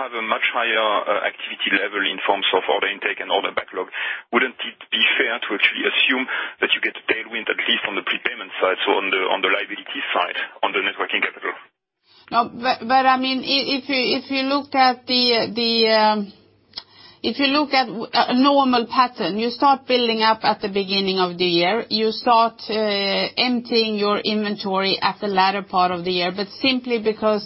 Okay. If you have a much higher activity level in forms of order intake and order backlog, wouldn't it be fair to actually assume that you get tailwind, at least on the prepayment side, on the liability side, on the net working capital? No, if you looked at a normal pattern, you start building up at the beginning of the year, you start emptying your inventory at the latter part of the year. Simply because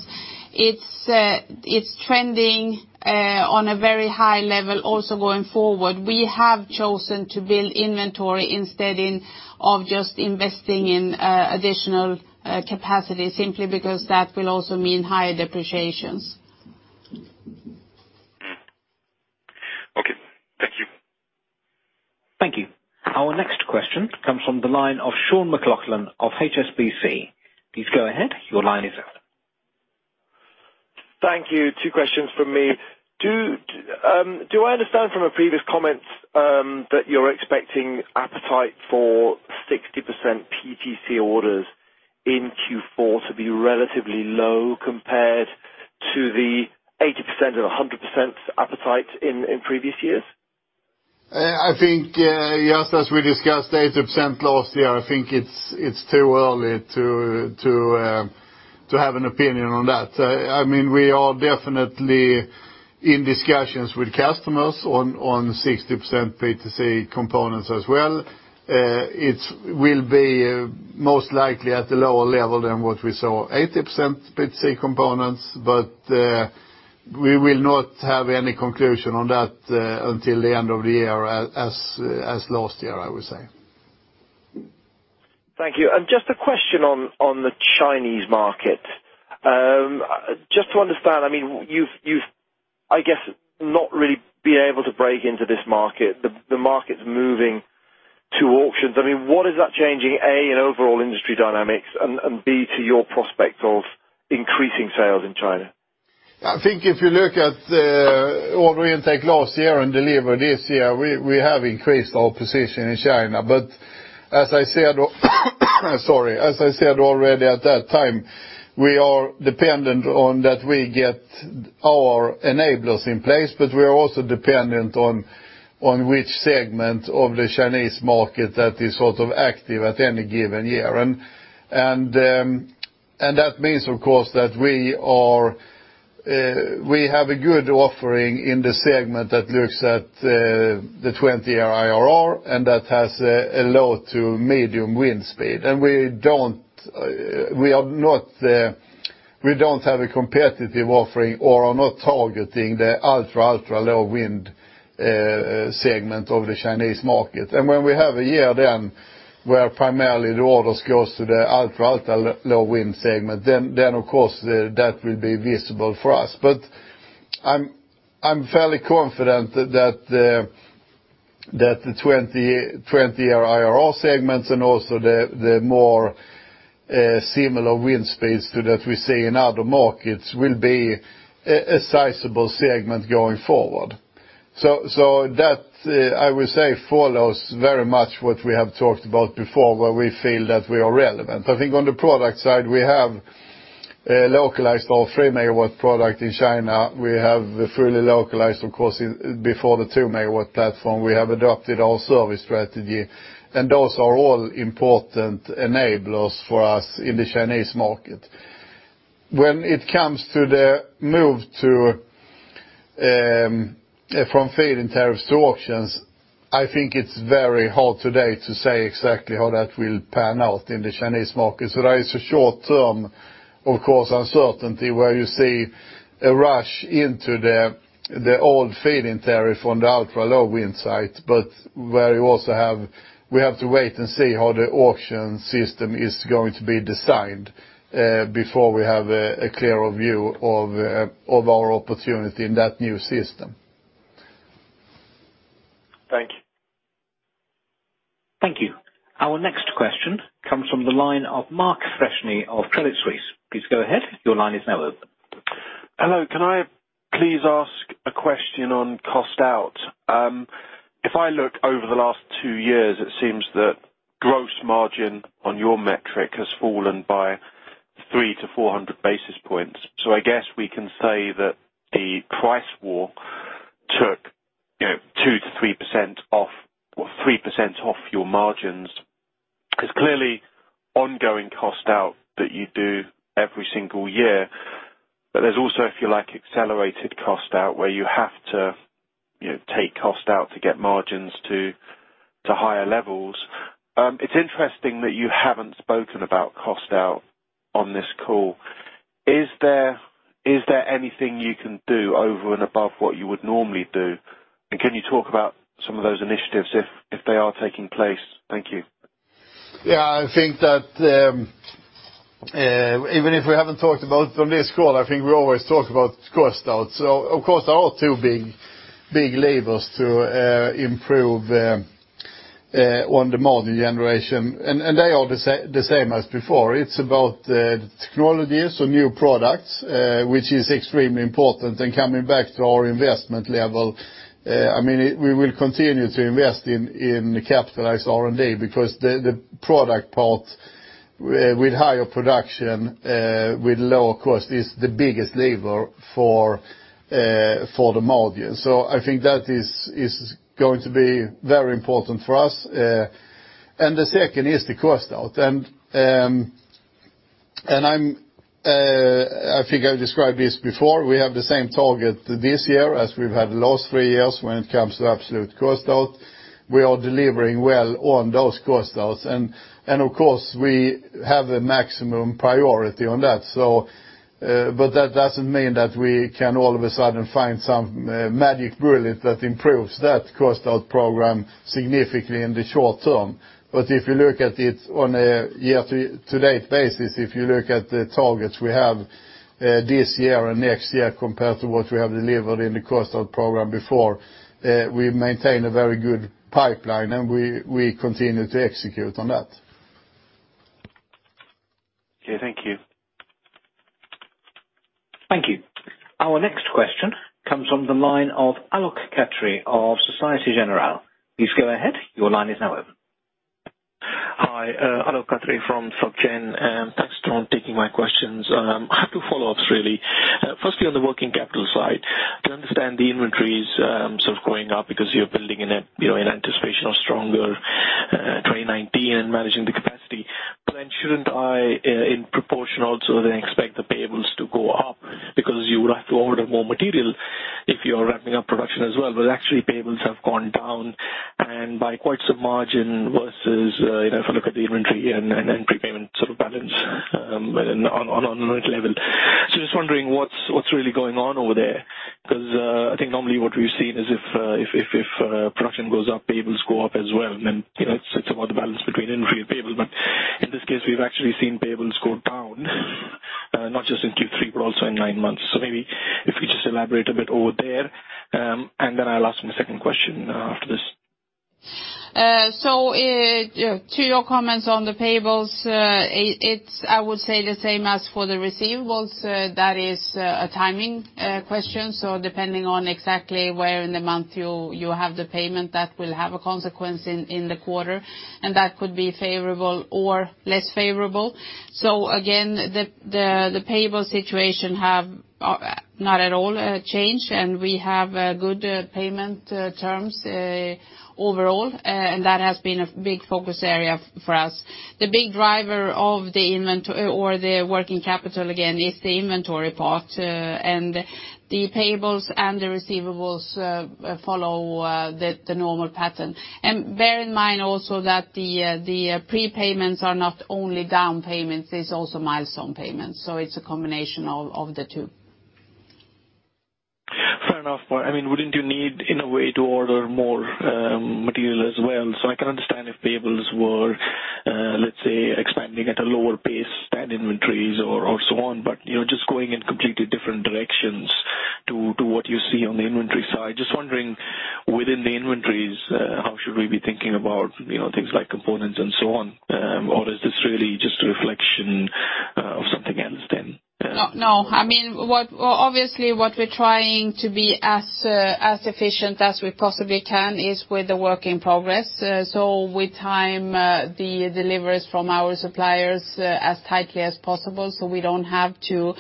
it's trending on a very high level also going forward, we have chosen to build inventory instead of just investing in additional capacity, simply because that will also mean higher depreciations. Okay. Thank you. Thank you. Our next question comes from the line of Sean McLoughlin of HSBC. Please go ahead. Your line is open. Thank you. Two questions from me. Do I understand from your previous comments that you're expecting appetite for 60% PTC orders in Q4 to be relatively low compared to the 80% or 100% appetite in previous years? I think, yes, as we discussed 80% last year, I think it's too early to have an opinion on that. We are definitely in discussions with customers on 60% PTC components as well. It will be most likely at a lower level than what we saw 80% PTC components, but we will not have any conclusion on that, until the end of the year as last year, I would say. Thank you. Just a question on the Chinese market. Just to understand, you've, I guess, not really been able to break into this market. The market's moving to auctions. What is that changing, A, in overall industry dynamics and B, to your prospect of increasing sales in China? I think if you look at the order intake last year and deliver this year, we have increased our position in China. As I said already at that time, we are dependent on that we get our enablers in place, but we are also dependent on which segment of the Chinese market that is sort of active at any given year. That means of course, that we have a good offering in the segment that looks at the 20-year IRR and that has a low to medium wind speed. We don't have a competitive offering or are not targeting the ultra low wind segment of the Chinese market. When we have a year then where primarily the orders goes to the ultra low wind segment, then of course that will be visible for us. I'm fairly confident that the 20-year IRR segments and also the more similar wind speeds to that we see in other markets will be a sizable segment going forward. That, I would say follows very much what we have talked about before, where we feel that we are relevant. I think on the product side, we have localized our 3-megawatt product in China. We have fully localized, of course, before the 2-megawatt platform. We have adopted our service strategy, and those are all important enablers for us in the Chinese market. When it comes to the move from feed-in tariffs to auctions, I think it's very hard today to say exactly how that will pan out in the Chinese market. That is a short-term, of course, uncertainty where you see a rush into the old feed-in tariff on the ultra-low wind site, but where we have to wait and see how the auction system is going to be designed, before we have a clearer view of our opportunity in that new system. Thank you. Thank you. Our next question comes from the line of Mark Freshney of Credit Suisse. Please go ahead. Your line is now open. Hello. Can I please ask a question on cost-out? If I look over the last two years, it seems that gross margin on your metric has fallen by 3 to 400 basis points. I guess we can say that the price war took 2%-3% off, or 3% off your margins. There's clearly ongoing cost-out that you do every single year. There's also, if you like, accelerated cost-out where you have to take cost out to get margins to higher levels. It's interesting that you haven't spoken about cost-out on this call. Is there anything you can do over and above what you would normally do? Can you talk about some of those initiatives if they are taking place? Thank you. I think that, even if we haven't talked about on this call, I think we always talk about cost-out. Of course, there are two big levers to improve on the margin generation. They are the same as before. It's about the technologies or new products, which is extremely important. Coming back to our investment level, we will continue to invest in capitalized R&D because the product part with higher production, with lower cost, is the biggest lever for the margin. I think that is going to be very important for us. The second is the cost-out. I think I've described this before. We have the same target this year as we've had the last three years when it comes to absolute cost-out. We are delivering well on those cost-outs. Of course we have a maximum priority on that. That doesn't mean that we can all of a sudden find some magic bullet that improves that cost-out program significantly in the short term. If you look at it on a year-to-date basis, if you look at the targets we have this year and next year compared to what we have delivered in the cost-out program before, we've maintained a very good pipeline and we continue to execute on that. Okay, thank you. Thank you. Our next question comes from the line of Alok Khatri of Societe Generale. Please go ahead. Your line is now open. Hi, Alok Khatri from Soc Gen. Thanks, Tor, taking my questions. I have two follow-ups really. Firstly, on the working capital side, to understand the inventories sort of going up because you're building in anticipation of stronger 2019 and managing the capacity. Shouldn't I, in proportion also, then expect the payables to go up because you would have to order more material if you're ramping up production as well? Actually payables have gone down and by quite some margin versus if I look at the inventory and prepayment sort of balance on a net level. Just wondering what's really going on over there? Because I think normally what we've seen is if production goes up, payables go up as well, and then it's about the balance between inventory and payable. In this case, we've actually seen payables go down, not just in Q3, but also in nine months. Maybe if you just elaborate a bit over there, and then I'll ask my second question after this. To your comments on the payables, it's I would say the same as for the receivables. That is a timing question, depending on exactly where in the month you have the payment, that will have a consequence in the quarter, and that could be favorable or less favorable. Again, the payable situation have not at all changed, and we have good payment terms overall, and that has been a big focus area for us. The big driver of the working capital, again, is the inventory part, and the payables and the receivables follow the normal pattern. Bear in mind also that the prepayments are not only down payments, there's also milestone payments. It's a combination of the two. Fair enough. Wouldn't you need, in a way, to order more material as well? I can understand if payables were, let's say, expanding at a lower pace than inventories or so on, but just going in completely different directions to what you see on the inventory side. Just wondering within the inventories, how should we be thinking about things like components and so on? Is this really just a reflection of something else then? No. Obviously, what we're trying to be as efficient as we possibly can is with the work in progress. We time the deliveries from our suppliers as tightly as possible, so we don't have to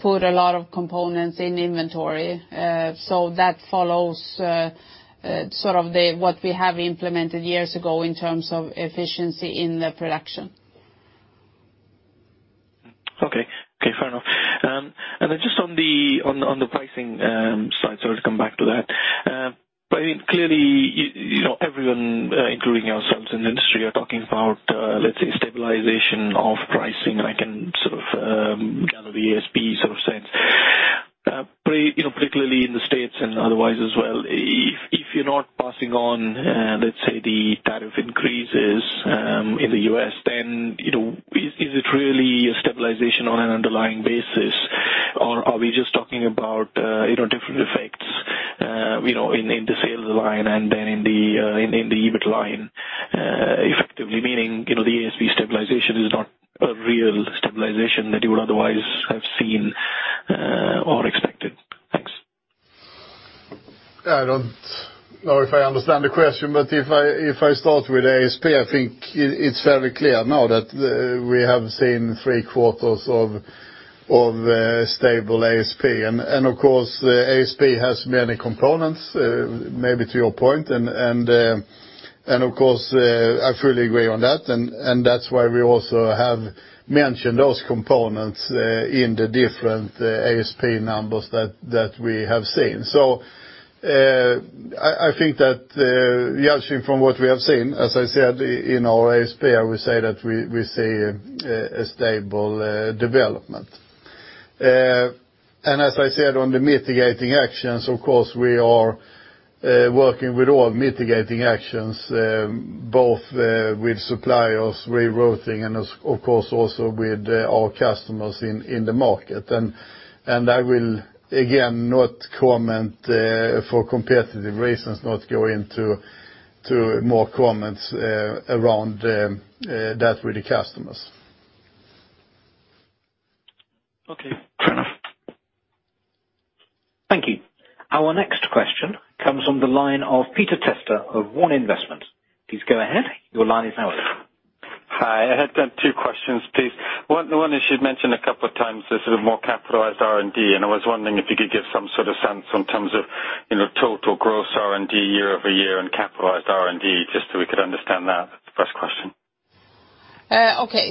put a lot of components in inventory. That follows what we have implemented years ago in terms of efficiency in the production. Okay. Fair enough. Then just on the pricing side, sorry to come back to that. Clearly, everyone, including ourselves in the industry, are talking about, let's say, stabilization of pricing, and I can gather the ASP sort of sense. Particularly in the States and otherwise as well, if you're not passing on, let's say, the tariff increases in the U.S., then is it really a stabilization on an underlying basis? Are we just talking about different effects in the sales line and then in the EBIT line, effectively meaning, the ASP stabilization is not a real stabilization that you would otherwise have seen or expected? Thanks. I don't know if I understand the question, if I start with ASP, I think it's fairly clear now that we have seen three quarters of stable ASP. Of course, ASP has many components, maybe to your point, and of course, I fully agree on that. That's why we also have mentioned those components in the different ASP numbers that we have seen. I think that judging from what we have seen, as I said, in our ASP, I would say that we see a stable development. As I said on the mitigating actions, of course, we are working with all mitigating actions, both with suppliers, rerouting, and of course also with our customers in the market. I will, again, for competitive reasons, not go into more comments around that with the customers. Okay, fair enough. Thank you. Our next question comes on the line of Peter Testa of One Investment. Please go ahead. Your line is now open. Hi, I had two questions, please. One is you'd mentioned a couple of times the more capitalized R&D, and I was wondering if you could give some sort of sense in terms of total gross R&D year-over-year and capitalized R&D, just so we could understand that. That's the first question. Okay.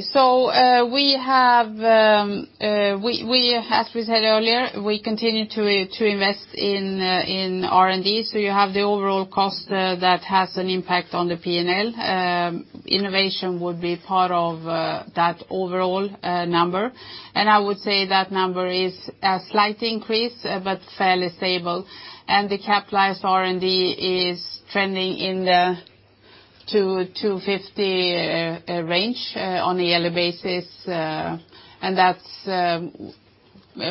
As we said earlier, we continue to invest in R&D, so you have the overall cost that has an impact on the P&L. Innovation would be part of that overall number. I would say that number is a slight increase but fairly stable. The capitalized R&D is trending in the 200 million-250 million range on a yearly basis. That's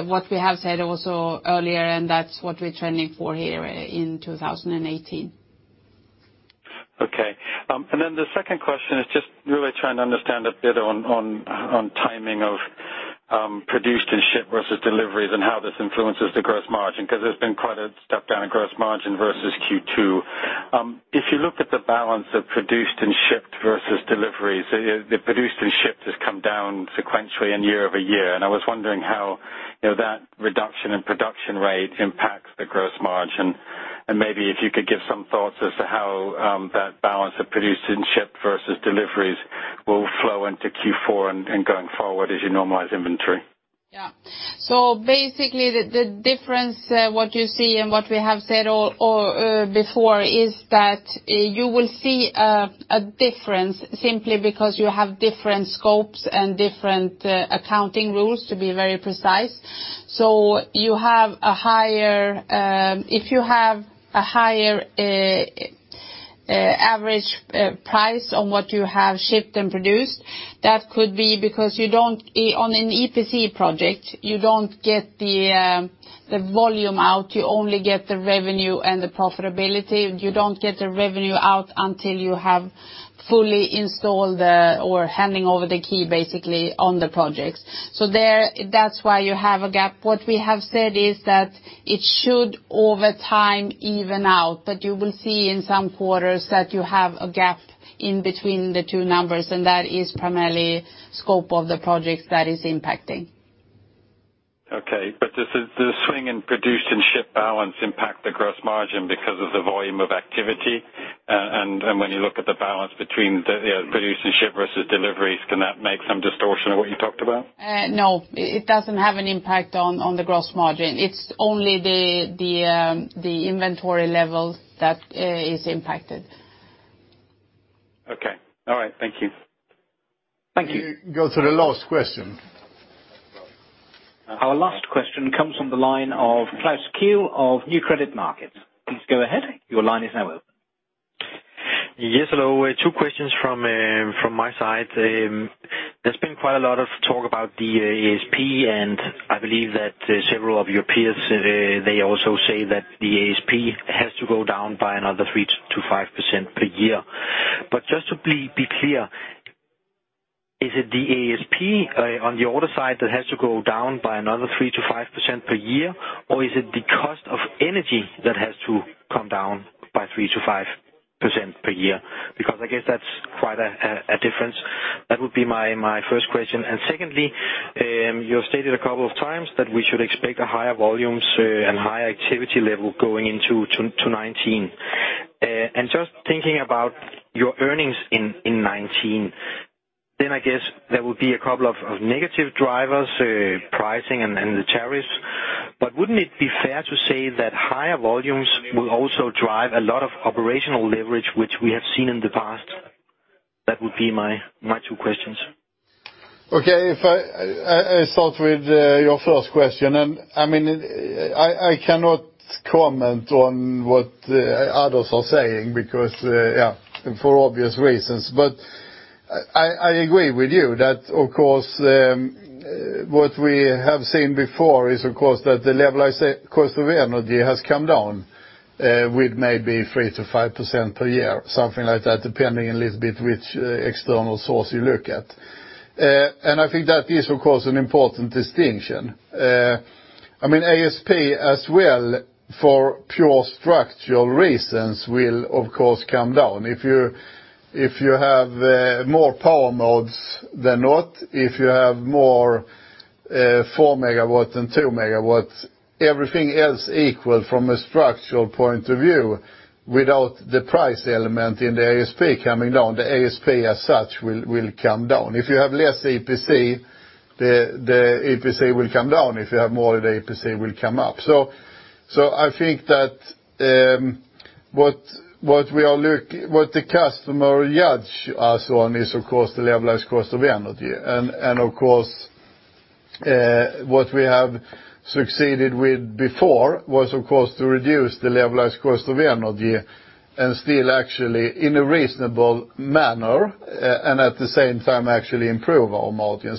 what we have said also earlier, and that's what we're trending for here in 2018. Okay. Then the second question is just really trying to understand a bit on timing of produced and shipped versus deliveries and how this influences the gross margin, because there's been quite a step down in gross margin versus Q2. If you look at the balance of produced and shipped versus deliveries, the produced and shipped has come down sequentially and year-over-year, and I was wondering how that reduction in production rate impacts the gross margin. Maybe if you could give some thoughts as to how that balance of produced and shipped versus deliveries will flow into Q4 and going forward as you normalize inventory. Yeah. Basically, the difference, what you see and what we have said before is that you will see a difference simply because you have different scopes and different accounting rules, to be very precise. If you have a higher average price on what you have shipped and produced, that could be because on an EPC project, you don't get the volume out, you only get the revenue and the profitability. You don't get the revenue out until you have fully installed or handing over the key, basically, on the projects. That's why you have a gap. What we have said is that it should, over time, even out, but you will see in some quarters that you have a gap in between the two numbers, and that is primarily scope of the projects that is impacting. Okay. Does the swing in produced and shipped balance impact the gross margin because of the volume of activity? And when you look at the balance between the produced and shipped versus deliveries, can that make some distortion of what you talked about? No, it doesn't have an impact on the gross margin. It's only the inventory levels that is impacted. Okay. All right. Thank you. Thank you. Go to the last question. Our last question comes from the line of Klaus Kehl of Nykredit Markets. Please go ahead. Your line is now open. Yes, hello. Two questions from my side. There's been quite a lot of talk about the ASP, I believe that several of your peers, they also say that the ASP has to go down by another 3%-5% per year. But just to be clear, is it the ASP on the order side that has to go down by another 3%-5% per year? Or is it the cost of energy that has to come down by 3%-5% per year? Because I guess that's quite a difference. That would be my first question. Secondly, you have stated a couple of times that we should expect higher volumes and higher activity level going into 2019. Just thinking about your earnings in 2019, I guess there will be a couple of negative drivers, pricing and the tariffs. Wouldn't it be fair to say that higher volumes will also drive a lot of operational leverage, which we have seen in the past? That would be my two questions. Okay. If I start with your first question, I cannot comment on what others are saying for obvious reasons. I agree with you that, of course, what we have seen before is that the levelized cost of energy has come down with maybe 3%-5% per year, something like that, depending a little bit which external source you look at. I think that is, of course, an important distinction. ASP as well for pure structural reasons will, of course, come down. If you have more Power Modes than not, if you have more four megawatts than two megawatts, everything else equal from a structural point of view, without the price element in the ASP coming down, the ASP as such will come down. If you have less EPC, the EPC will come down. If you have more, the EPC will come up. I think that what the customer judge us on is, of course, the levelized cost of energy. Of course, what we have succeeded with before was, of course, to reduce the levelized cost of energy and still actually in a reasonable manner, and at the same time actually improve our margin.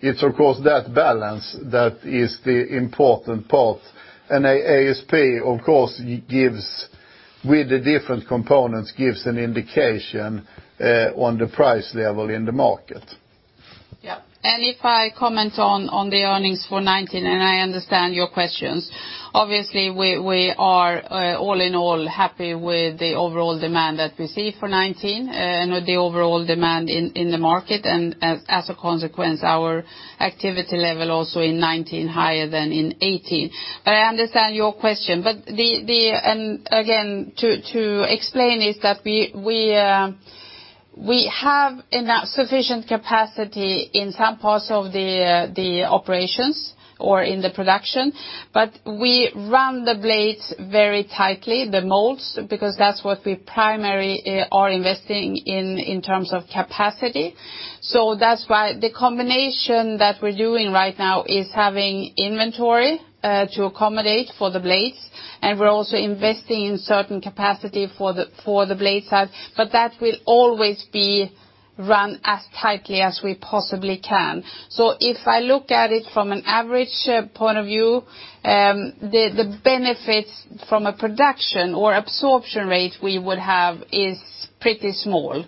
It's, of course, that balance that is the important part. ASP, of course, with the different components, gives an indication on the price level in the market. Yeah. If I comment on the earnings for 2019, I understand your questions. Obviously, we are all in all happy with the overall demand that we see for 2019 and with the overall demand in the market, as a consequence, our activity level also in 2019 higher than in 2018. I understand your question. Again, to explain is that we have enough sufficient capacity in some parts of the operations or in the production, but we run the blades very tightly, the molds, because that's what we primarily are investing in terms of capacity. That's why the combination that we're doing right now is having inventory to accommodate for the blades, and we're also investing in certain capacity for the blade side, but that will always be run as tightly as we possibly can. If I look at it from an average point of view, the benefits from a production or absorption rate we would have is pretty small.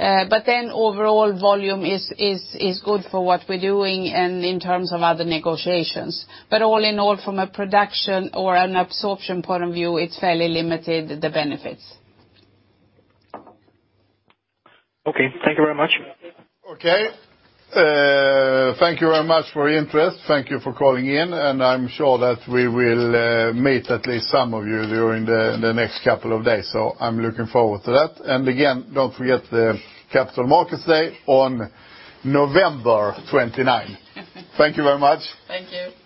Overall volume is good for what we're doing and in terms of other negotiations. All in all, from a production or an absorption point of view, it's fairly limited, the benefits. Okay. Thank you very much. Okay. Thank you very much for your interest. Thank you for calling in. I'm sure that we will meet at least some of you during the next couple of days. I'm looking forward to that. Again, don't forget the Capital Markets Day on November 29. Thank you very much. Thank you.